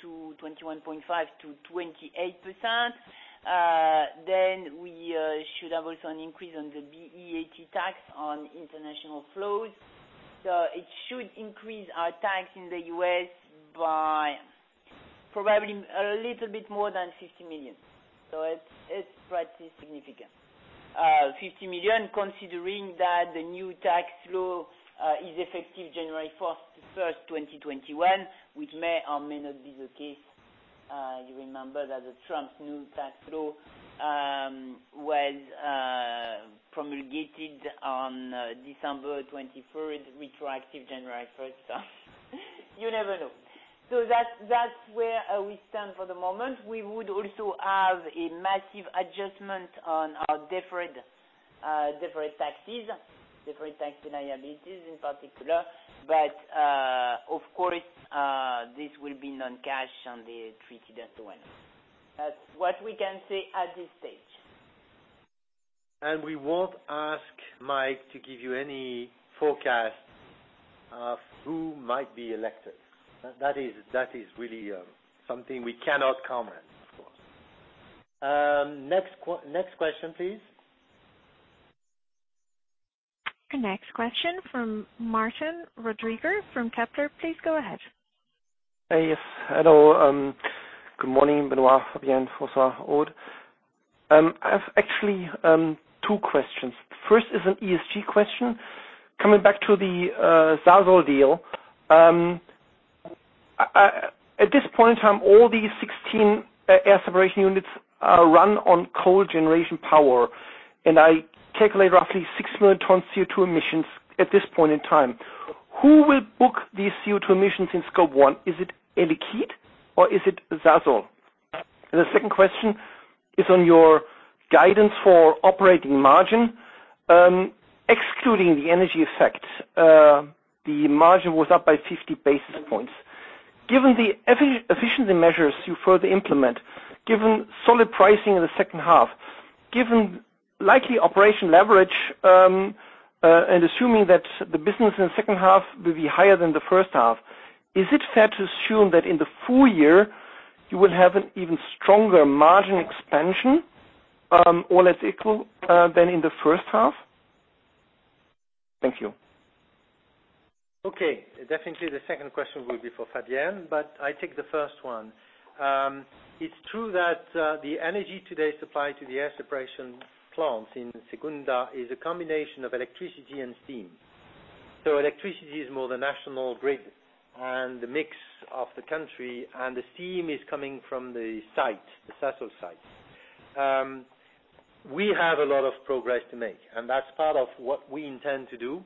to 21.5 to 28%. We should have also an increase on the BEAT tax on international flows. It should increase our tax in the U.S. by probably a little bit more than 50 million. It's pretty significant. 50 million, considering that the new tax law is effective January 1st, 2021, which may or may not be the case. You remember that the Trump's new tax law was promulgated on December 21st, retroactive January 1st. You never know. That's where we stand for the moment. We would also have a massive adjustment on our deferred taxes, deferred tax liabilities in particular. Of course, this will be non-cash and treated as one. That's what we can say at this stage. We won't ask Mike to give you any forecast of who might be elected. That is really something we cannot comment, of course. Next question, please. The next question from Martin Roediger from Kepler. Please go ahead. Yes. Hello. Good morning, Benoît, Fabienne, François, Aude. I have actually two questions. First is an ESG question. Coming back to the Sasol deal. At this point in time, all these 16 air separation units are run on coal generation power, and I calculate roughly 6 million tons CO2 emissions at this point in time. Who will book these CO2 emissions in Scope 1? Is it Air Liquide or is it Sasol? The second question is on your guidance for operating margin. Excluding the energy effect, the margin was up by 50 basis points. Given the efficiency measures you further implement, given solid pricing in the second half, given likely operating leverage, and assuming that the business in the second half will be higher than the first half, is it fair to assume that in the full year you will have an even stronger margin expansion, all else equal, than in the first half? Thank you. Definitely the second question will be for Fabienne, but I take the first one. It's true that the energy today supplied to the air separation plant in Secunda is a combination of electricity and steam. Electricity is more the national grid and the mix of the country, and the steam is coming from the site, the Sasol site. We have a lot of progress to make, and that's part of what we intend to do,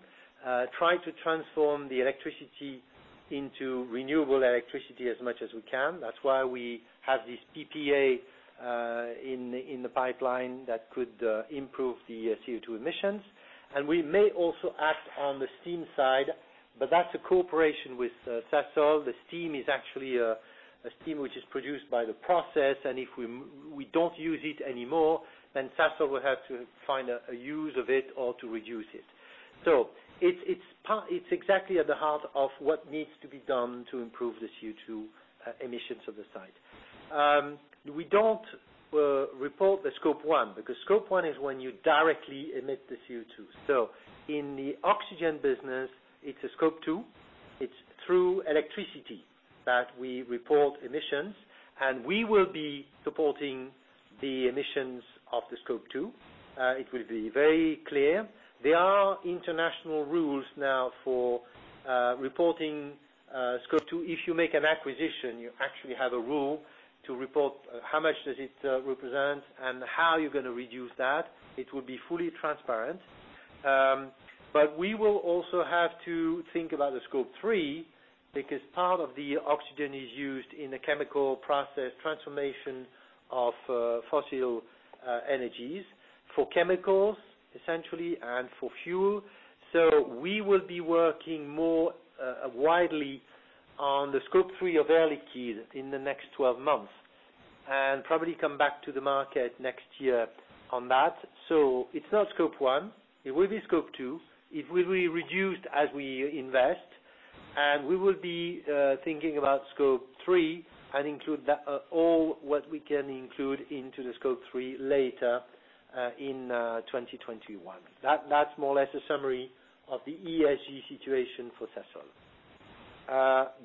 try to transform the electricity into renewable electricity as much as we can. That's why we have this PPA in the pipeline that could improve the CO2 emissions. We may also act on the steam side, but that's a cooperation with Sasol. The steam is actually a steam which is produced by the process, and if we don't use it anymore, then Sasol will have to find a use of it or to reduce it. It's exactly at the heart of what needs to be done to improve the CO2 emissions of the site. We don't report the Scope 1, because Scope 1 is when you directly emit the CO2. In the oxygen business, it's a Scope 2. It's through electricity that we report emissions, and we will be supporting the emissions of the Scope 2. It will be very clear. There are international rules now for reporting Scope 2. If you make an acquisition, you actually have a rule to report how much does it represent and how you're going to reduce that. It will be fully transparent. We will also have to think about the Scope 3, because part of the oxygen is used in a chemical process transformation of fossil energies for chemicals, essentially, and for fuel. We will be working more widely on the Scope 3 of Air Liquide in the next 12 months, and probably come back to the market next year on that. It's not Scope 1, it will be Scope 2. It will be reduced as we invest. We will be thinking about Scope 3 and include all what we can include into the Scope 3 later in 2021. That's more or less a summary of the ESG situation for Secunda.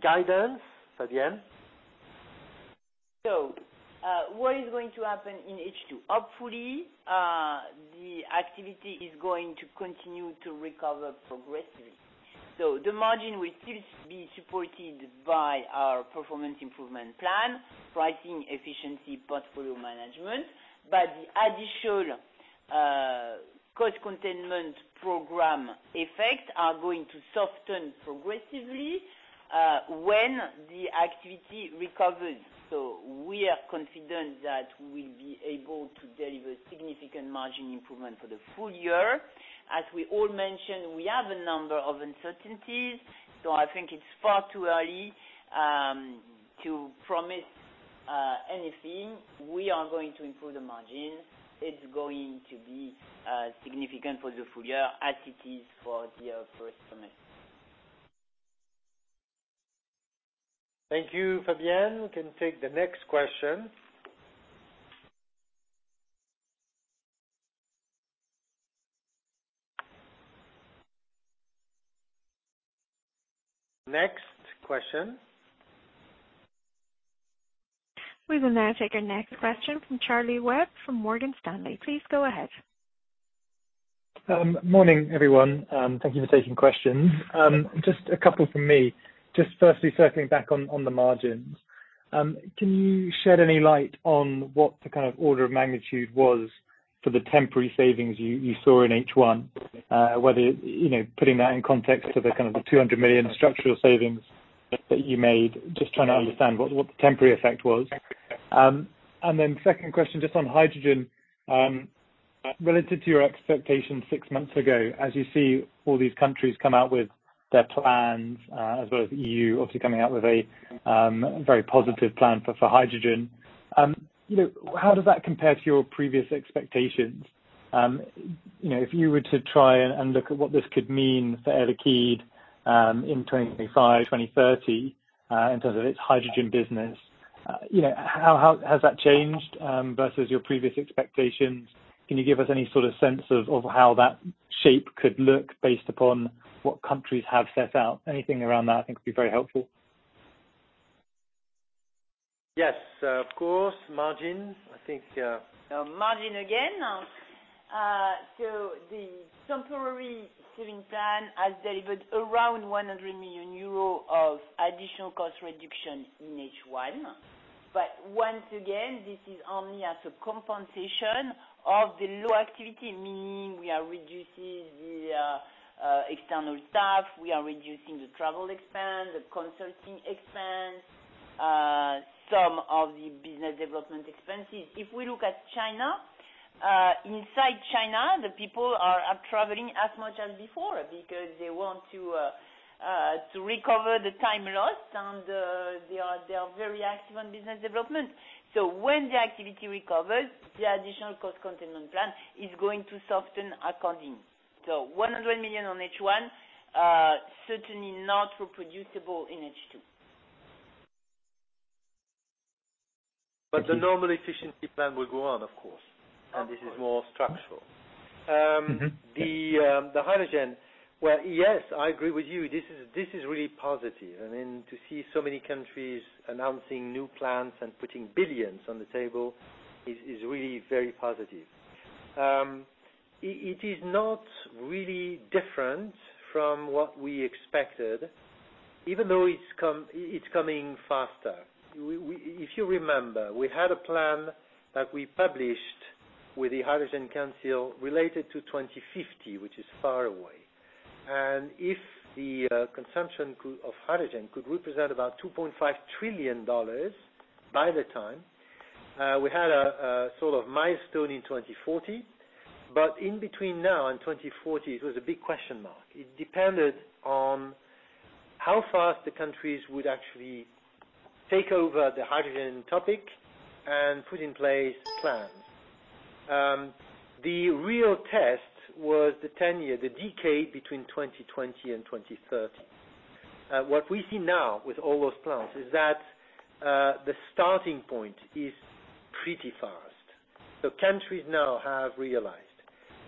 Guidance, Fabienne? What is going to happen in H2? Hopefully, the activity is going to continue to recover progressively. The margin will still be supported by our performance improvement plan, pricing efficiency portfolio management. The additional cost containment program effects are going to soften progressively, when the activity recovers. We are confident that we'll be able to deliver significant margin improvement for the full year. As we all mentioned, we have a number of uncertainties. I think it's far too early to promise anything. We are going to improve the margin. It's going to be significant for the full year as it is for the first semester. Thank you, Fabienne. We can take the next question. Next question. We will now take our next question from Charlie Webb from Morgan Stanley. Please go ahead. Morning, everyone. Thank you for taking questions. Just a couple from me. Just firstly circling back on the margins. Can you shed any light on what the kind of order of magnitude was for the temporary savings you saw in H1? Whether, putting that in context to the kind of the 200 million structural savings that you made, just trying to understand what the temporary effect was. Second question, just on hydrogen. Related to your expectations six months ago, as you see all these countries come out with their plans, as well as EU obviously coming out with a very positive plan for hydrogen. How does that compare to your previous expectations? If you were to try and look at what this could mean for Air Liquide, in 2025, 2030, in terms of its hydrogen business, how has that changed, versus your previous expectations? Can you give us any sort of sense of how that shape could look based upon what countries have set out? Anything around that I think would be very helpful. Yes, of course, margins. I think. Margin again. The temporary savings plan has delivered around 100 million euros of additional cost reduction in H1. Once again, this is only as a compensation of the low activity, meaning we are reducing the external staff, we are reducing the travel expense, the consulting expense, some of the business development expenses. If we look at China, inside China, the people are traveling as much as before because they want to recover the time lost and they are very active on business development. When the activity recovers, the additional cost containment plan is going to soften accordingly. 100 million on H1, certainly not reproducible in H2. The normal efficiency plan will go on, of course. This is more structural. The hydrogen, well, yes, I agree with you. This is really positive. To see so many countries announcing new plans and putting billions on the table is really very positive. It is not really different from what we expected, even though it's coming faster. If you remember, we had a plan that we published with the Hydrogen Council related to 2050, which is far away. If the consumption of hydrogen could represent about $2.5 trillion by that time, we had a sort of milestone in 2040. In between now and 2040, it was a big question mark. It depended on how fast the countries would actually take over the hydrogen topic and put in place plans. The real test was the 10 year, the decade between 2020 and 2030. What we see now with all those plans is that the ting point is pretty fast. Countries now have realized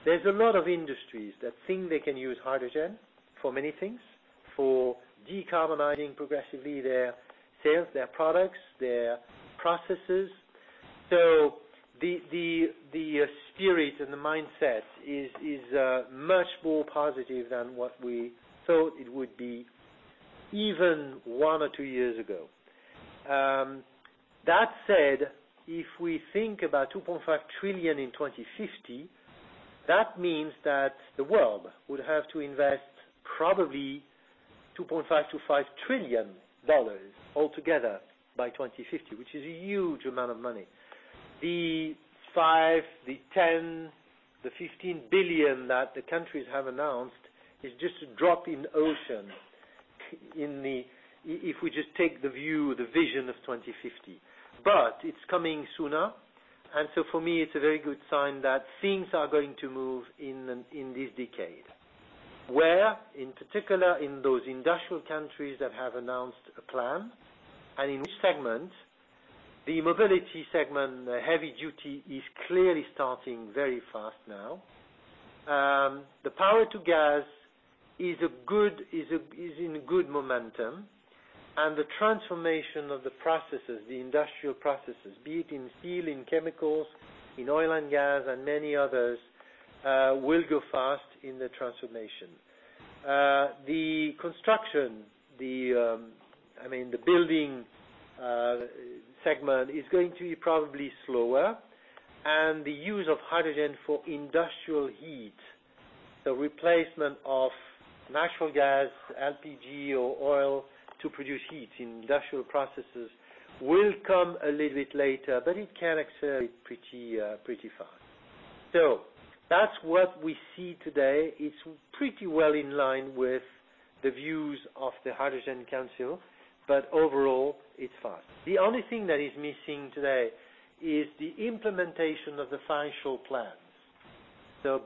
there's a lot of industries that think they can use hydrogen for many things, for decarbonizing progressively their sales, their products, their processes. The spirit and the mindset is much more positive than what we thought it would be even one or two years ago. That said, if we think about $2.5 trillion in 2050, that means that the world would have to invest probably $2.5 trillion-$5 trillion altogether by 2050, which is a huge amount of money. The 5 billion, the 10 billion, the 15 billion that the countries have announced is just a drop in the ocean, if we just take the view, the vision of 2050. It's coming sooner. For me, it's a very good sign that things are going to move in this decade, where, in particular, in those industrial countries that have announced a plan and in which segment, the mobility segment, heavy duty is clearly ting very fast now. The power to gas is in good momentum. The transformation of the processes, the industrial processes, be it in steel, in chemicals, in oil and gas, and many others, will go fast in the transformation. The construction, the building segment is going to be probably slower. The use of hydrogen for industrial heat, so replacement of natural gas, LPG or oil to produce heat in industrial processes will come a little bit later. It can accelerate pretty fast. That's what we see today. It's pretty well in line with the views of the Hydrogen Council, but overall it's fast. The only thing that is missing today is the implementation of the financial plans.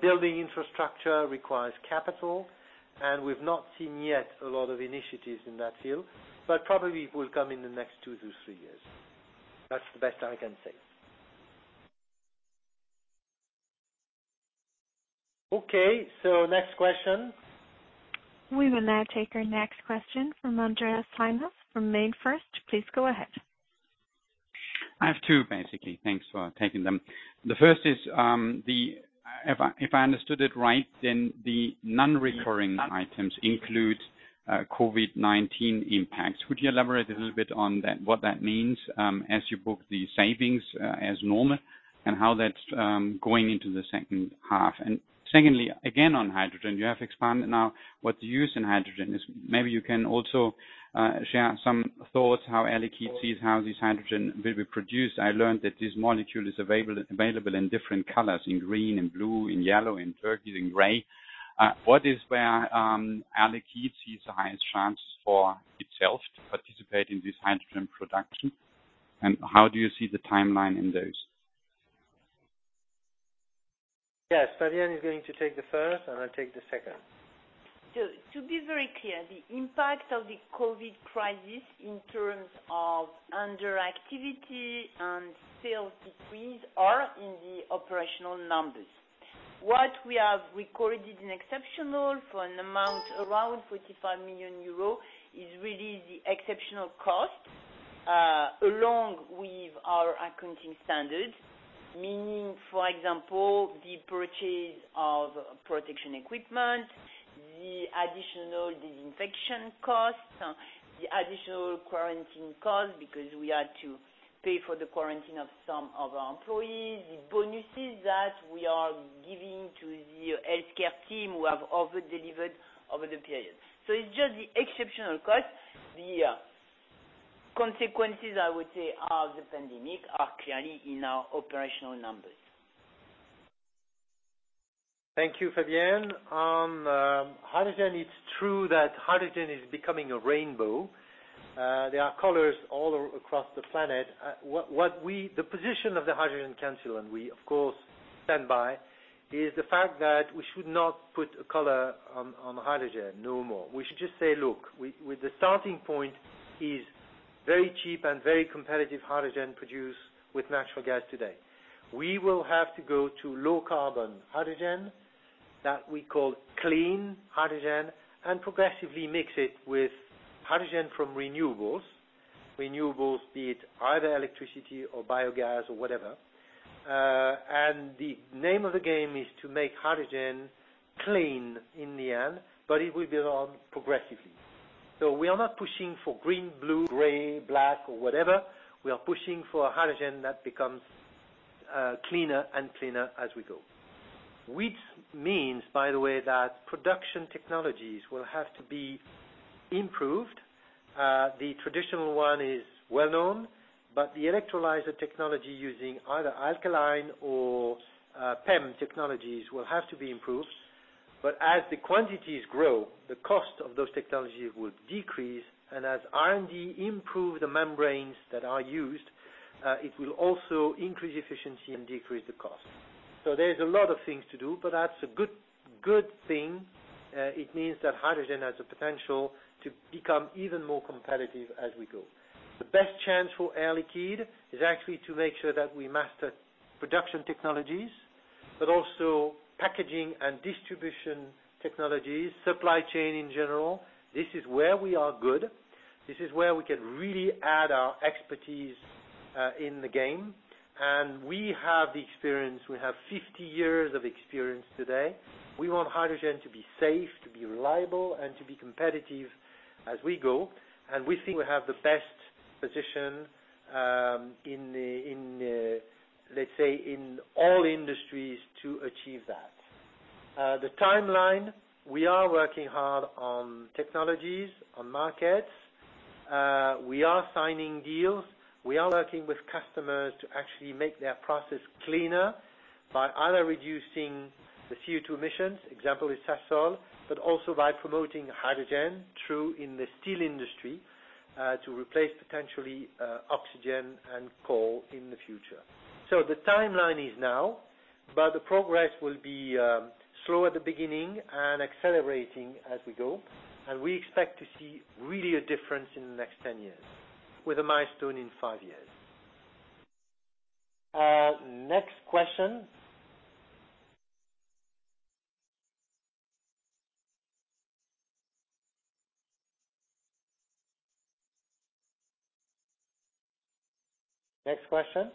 Building infrastructure requires capital, and we've not seen yet a lot of initiatives in that field, but probably it will come in the next two to three years. That's the best I can say. Okay, next question. We will now take our next question from Andreas Klimas from MainFirst. Please go ahead. I have two basically. Thanks for taking them. The first is, if I understood it right, then the non-recurring items include COVID-19 impacts. Would you elaborate a little bit on what that means as you book the savings as normal and how that's going into the second half? Secondly, again, on hydrogen. You have expanded now what the use in hydrogen is. Maybe you can also share some thoughts how Air Liquide sees how this hydrogen will be produced. I learned that this molecule is available in different colors, in green, in blue, in yellow, in turquoise, in gray. What is where Air Liquide sees the highest chance for itself to participate in this hydrogen production, and how do you see the timeline in those? Yes, Fabienne is going to take the first, and I'll take the second. To be very clear, the impact of the COVID-19 crisis in terms of underactivity and sales decrease are in the operational numbers. What we have recorded in exceptional for an amount around 45 million euro is really the exceptional cost along with our accounting standards, meaning, for example, the purchase of protection equipment, the additional disinfection costs, the additional quarantine costs because we had to pay for the quarantine of some of our employees, the bonuses that we are giving to the healthcare team who have over-delivered over the period. It's just the exceptional cost. The consequences, I would say, of the pandemic are clearly in our operational numbers. Thank you, Fabienne. On hydrogen, it's true that hydrogen is becoming a rainbow. There are colors all across the planet. The position of the Hydrogen Council, and we of course stand by, is the fact that we should not put a color on hydrogen no more. We should just say, look, with the ting point is very cheap and very competitive hydrogen produced with natural gas today. We will have to go to low carbon hydrogen that we call clean hydrogen and progressively mix it with hydrogen from renewables. Renewables be it either electricity or biogas or whatever. The name of the game is to make hydrogen clean in the end, but it will be done progressively. We are not pushing for green, blue, gray, black or whatever. We are pushing for a hydrogen that becomes cleaner and cleaner as we go. Which means, by the way, that production technologies will have to be improved. The traditional one is well known, the electrolyzer technology using either alkaline or PEM technologies will have to be improved. As the quantities grow, the cost of those technologies will decrease, and as R&D improve the membranes that are used, it will also increase efficiency and decrease the cost. There's a lot of things to do, but that's a good thing. It means that hydrogen has the potential to become even more competitive as we go. The best chance for Air Liquide is actually to make sure that we master production technologies, but also packaging and distribution technologies, supply chain in general. This is where we are good. This is where we can really add our expertise in the game. We have the experience. We have 50 years of experience today. We want hydrogen to be safe, to be reliable, and to be competitive as we go. We think we have the best position, let's say, in all industries to achieve that. The timeline, we are working hard on technologies, on markets. We are signing deals. We are working with customers to actually make their process cleaner by either reducing the CO2 emissions, example is Sasol, but also by promoting hydrogen in the steel industry, to replace potentially oxygen and coal in the future. The timeline is now, but the progress will be slow at the beginning and accelerating as we go. We expect to see really a difference in the next 10 years with a milestone in five years. Next question. Next question.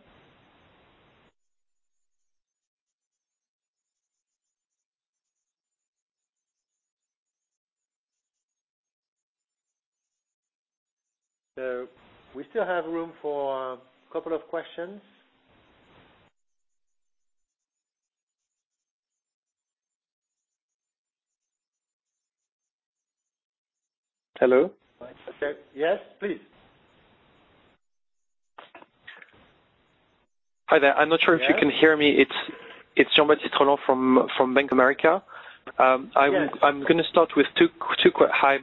We still have room for a couple of questions. Hello. Yes, please. Hi there. I'm not sure if you can hear me. It's Jean-Baptiste Rolland from Bank of America. Yes. Hi,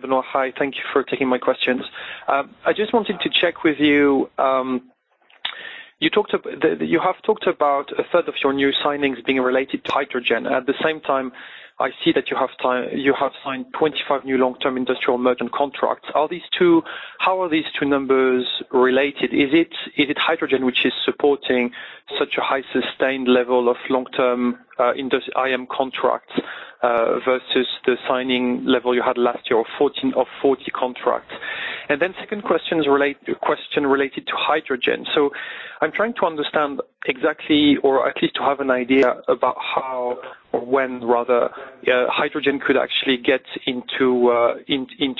Benoît. Hi, thank you for taking my questions. I just wanted to check with you. You have talked about a third of your new signings being related to hydrogen. At the same time, I see that you have signed 25 new long-term industrial merchant contracts. How are these two numbers related? Is it hydrogen which is supporting such a high sustained level of long-term IM contracts versus the signing level you had last year of 40 contracts? Second question related to hydrogen. I'm trying to understand exactly or at least to have an idea about how or when rather, hydrogen could actually get into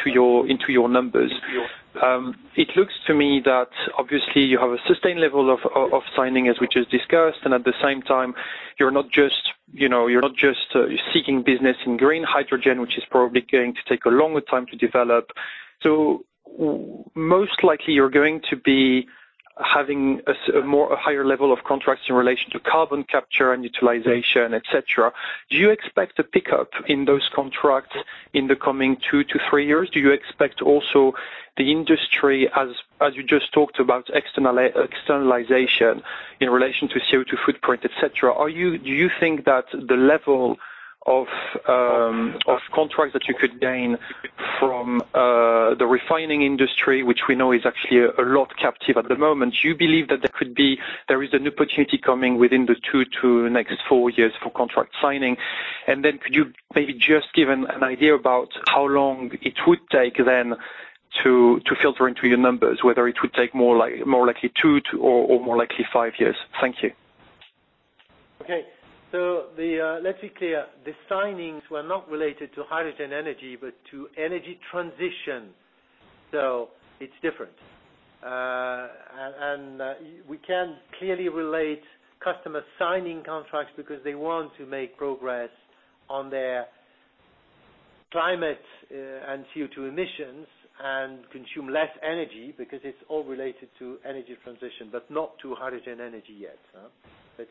your numbers. It looks to me that obviously you have a sustained level of signings which is discussed. At the same time, you're not just seeking business in green hydrogen, which is probably going to take a longer time to develop. Most likely, you're going to be having a higher level of contracts in relation to carbon capture and utilization, et cetera. Do you expect a pickup in those contracts in the coming two-three years? Do you expect also the industry, as you just talked about, externalization in relation to CO2 footprint, et cetera? Do you think that the level of contracts that you could gain from the refining industry, which we know is actually a lot captive at the moment, do you believe that there is an opportunity coming within the two-four years for contract signing? Could you maybe just give an idea about how long it would take then to filter into your numbers, whether it would take more likely two, or more likely five years? Thank you. Okay. Let's be clear. The signings were not related to hydrogen energy, but to energy transition. It's different. We can clearly relate customers signing contracts because they want to make progress on their climate and CO2 emissions and consume less energy because it's all related to energy transition, but not to hydrogen energy yet. Let's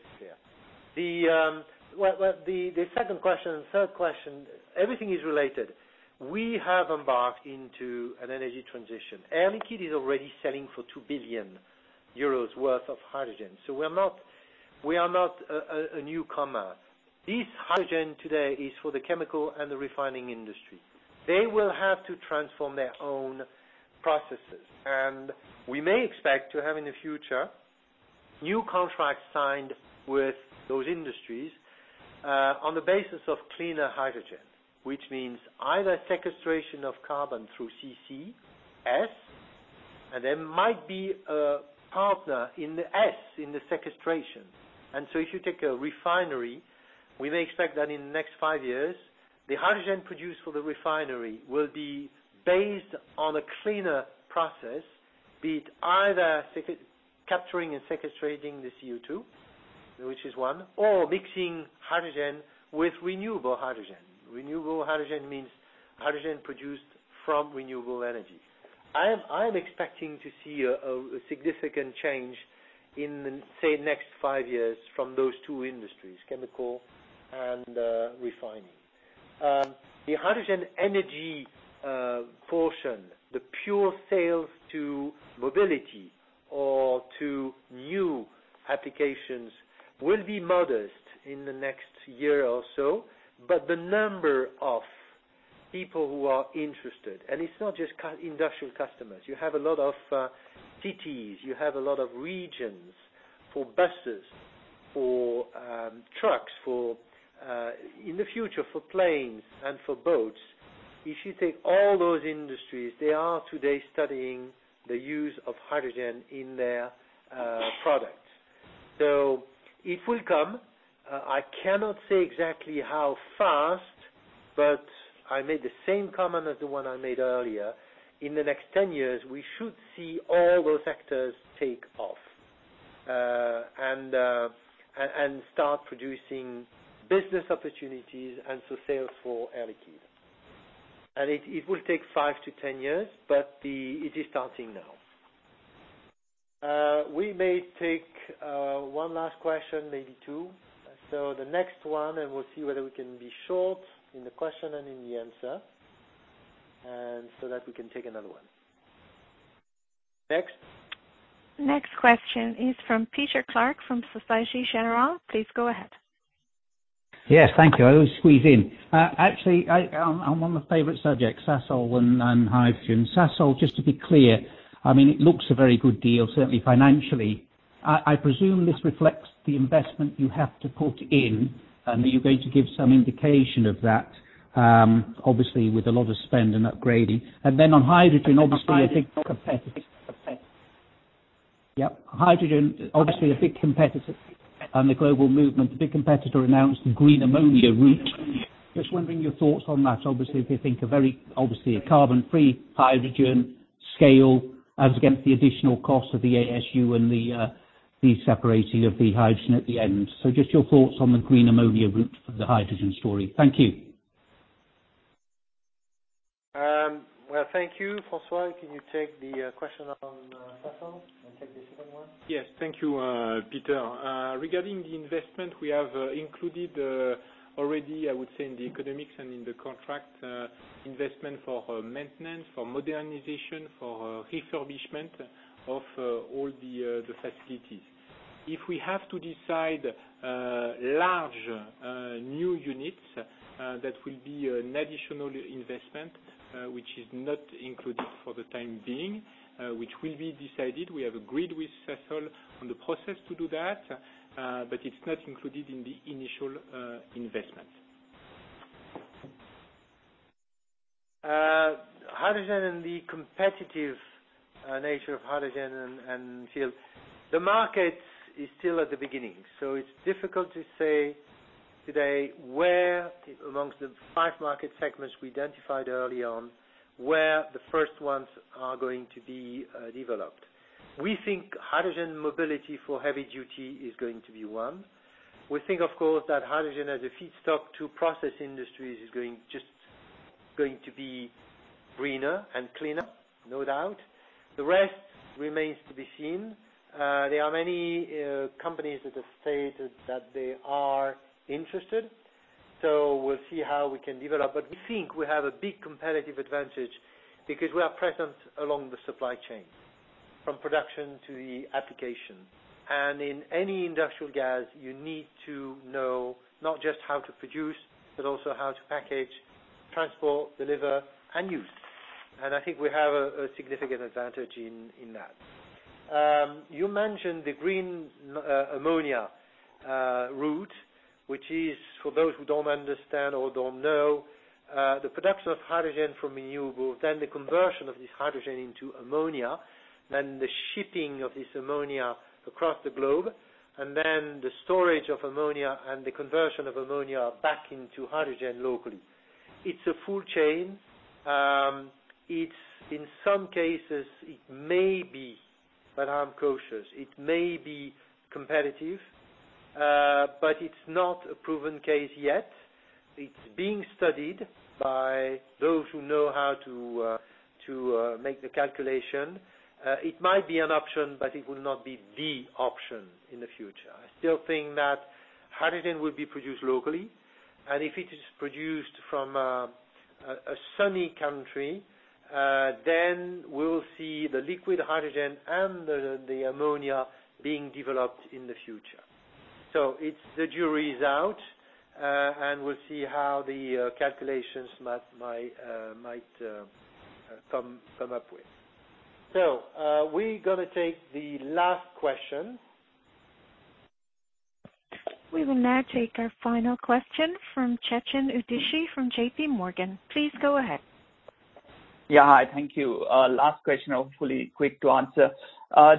be clear. Well, the second question and third question, everything is related. We have embarked into an energy transition. Air Liquide is already selling for 2 billion euros worth of hydrogen, so we are not a newcomer. This hydrogen today is for the chemical and the refining industry. They will have to transform their own processes. We may expect to have, in the future, new contracts signed with those industries, on the basis of cleaner hydrogen, which means either sequestration of carbon through CCS, and there might be a partner in the sequestration. If you take a refinery, we may expect that in the next five years, the hydrogen produced for the refinery will be based on a cleaner process, be it either capturing and sequestrating the CO2, which is one. Mixing hydrogen with renewable hydrogen. Renewable hydrogen means hydrogen produced from renewable energy. I am expecting to see a significant change in, say, next five years from those two industries, chemical and refining. The hydrogen energy portion, the pure sales to mobility or to new applications will be modest in the next year or so. The number of people who are interested, and it's not just industrial customers. You have a lot of cities, you have a lot of regions for buses, for trucks, in the future, for planes and for boats. If you take all those industries, they are today studying the use of hydrogen in their products. It will come. I cannot say exactly how fast, but I made the same comment as the one I made earlier. In the next 10 years, we should see all those sectors take off, t producing business opportunities and sales for Air Liquide. It will take five to 10 years, but it is ting now. We may take one last question, maybe two. The next one, and we'll see whether we can be short in the question and in the answer, and so that we can take another one. Next. Next question is from Peter Clark from Société Générale. Please go ahead. Yes, thank you. I will squeeze in. Actually, I'm on the favorite subject, Sasol and hydrogen. Sasol, just to be clear, it looks a very good deal, certainly financially. I presume this reflects the investment you have to put in. Are you going to give some indication of that? Obviously, with a lot of spend and upgrading. On hydrogen, obviously a big competitor. Yep. Hydrogen, obviously a big competitor on the global movement. A big competitor announced the green ammonia route. Just wondering your thoughts on that. Obviously, if you think a very carbon-free hydrogen scale as against the additional cost of the ASU and the de-separating of the hydrogen at the end. Just your thoughts on the green ammonia route for the hydrogen story. Thank you. Well, thank you. François, can you take the question on Sasol and take the second one? Yes. Thank you, Peter. Regarding the investment, we have included already, I would say, in the economics and in the contract investment for maintenance, for modernization, for refurbishment of all the facilities. If we have to decide large new units that will be an additional investment which is not included for the time being, which will be decided. We have agreed with Sasol on the process to do that, but it's not included in the initial investment. Hydrogen and the competitive nature of hydrogen and fuel. The market is still at the beginning, so it's difficult to say today where amongst the five market segments we identified early on, where the first ones are going to be developed. We think hydrogen mobility for heavy duty is going to be one. We think, of course, that hydrogen as a feedstock to process industries is just going to be greener and cleaner, no doubt. The rest remains to be seen. There are many companies that have stated that they are interested, so we'll see how we can develop. We think we have a big competitive advantage because we are present along the supply chain, from production to the application. In any industrial gas, you need to know not just how to produce, but also how to package, transport, deliver, and use. I think we have a significant advantage in that. You mentioned the green ammonia route, which is for those who don't understand or don't know, the production of hydrogen from renewable, then the conversion of this hydrogen into ammonia, then the shipping of this ammonia across the globe, and then the storage of ammonia and the conversion of ammonia back into hydrogen locally. It's a full chain. In some cases it may be, but I'm cautious, it may be competitive. It's not a proven case yet. It's being studied by those who know how to make the calculation. It might be an option, it will not be the option in the future. I still think that hydrogen will be produced locally, and if it is produced from a sunny country, then we will see the liquid hydrogen and the ammonia being developed in the future. The jury's out, and we'll see how the calculations might come up with. We're going to take the last question. We will now take our final question from Chetan Udeshi from JP Morgan. Please go ahead. Hi, thank you. Last question, hopefully quick to answer.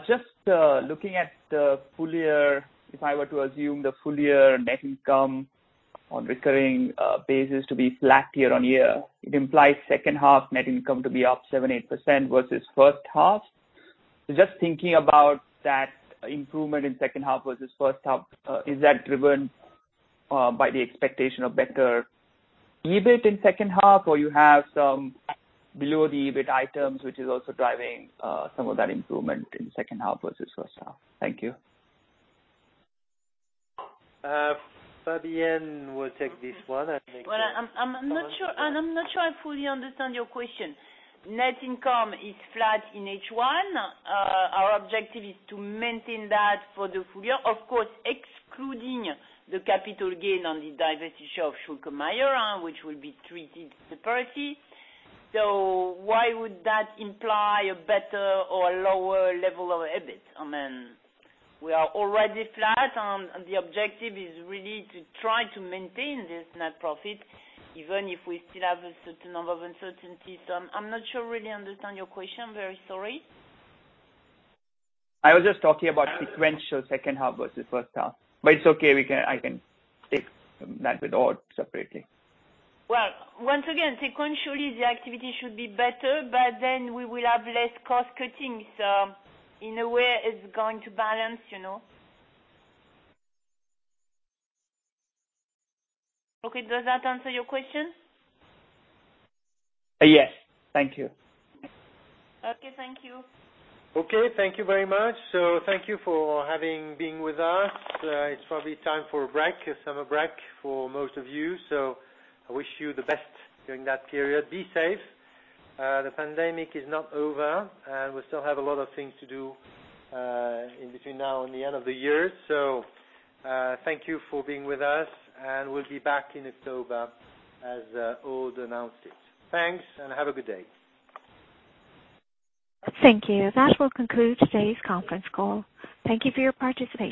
Just looking at the full year, if I were to assume the full year net income on a recurring basis to be flat year-on-year, it implies second half net income to be up 7%, 8% versus first half. Just thinking about that improvement in second half versus first half, is that driven by the expectation of better EBIT in second half, or you have some below the EBIT items, which is also driving some of that improvement in second half versus first half? Thank you. Fabienne will take this one. I'm not sure I fully understand your question. Net income is flat in H1. Our objective is to maintain that for the full year, of course, excluding the capital gain on the divestment of Schülke & Mayr, which will be treated separately. Why would that imply a better or lower level of EBIT? We are already flat. The objective is really to try to maintain this net profit even if we still have a certain number of uncertainties. I'm not sure I really understand your question. Very sorry. I was just talking about sequential second half versus first half. It's okay. I can take that bit out separately. Well, once again, sequentially, the activity should be better, but then we will have less cost-cutting. In a way, it's going to balance. Okay. Does that answer your question? Yes. Thank you. Okay. Thank you. Okay. Thank you very much. Thank you for having been with us. It's probably time for a break, a summer break for most of you. I wish you the best during that period. Be safe. The pandemic is not over, and we still have a lot of things to do in between now and the end of the year. Thank you for being with us, and we'll be back in October as Aude announced it. Thanks, and have a good day. Thank you. That will conclude today's conference call. Thank you for your participation.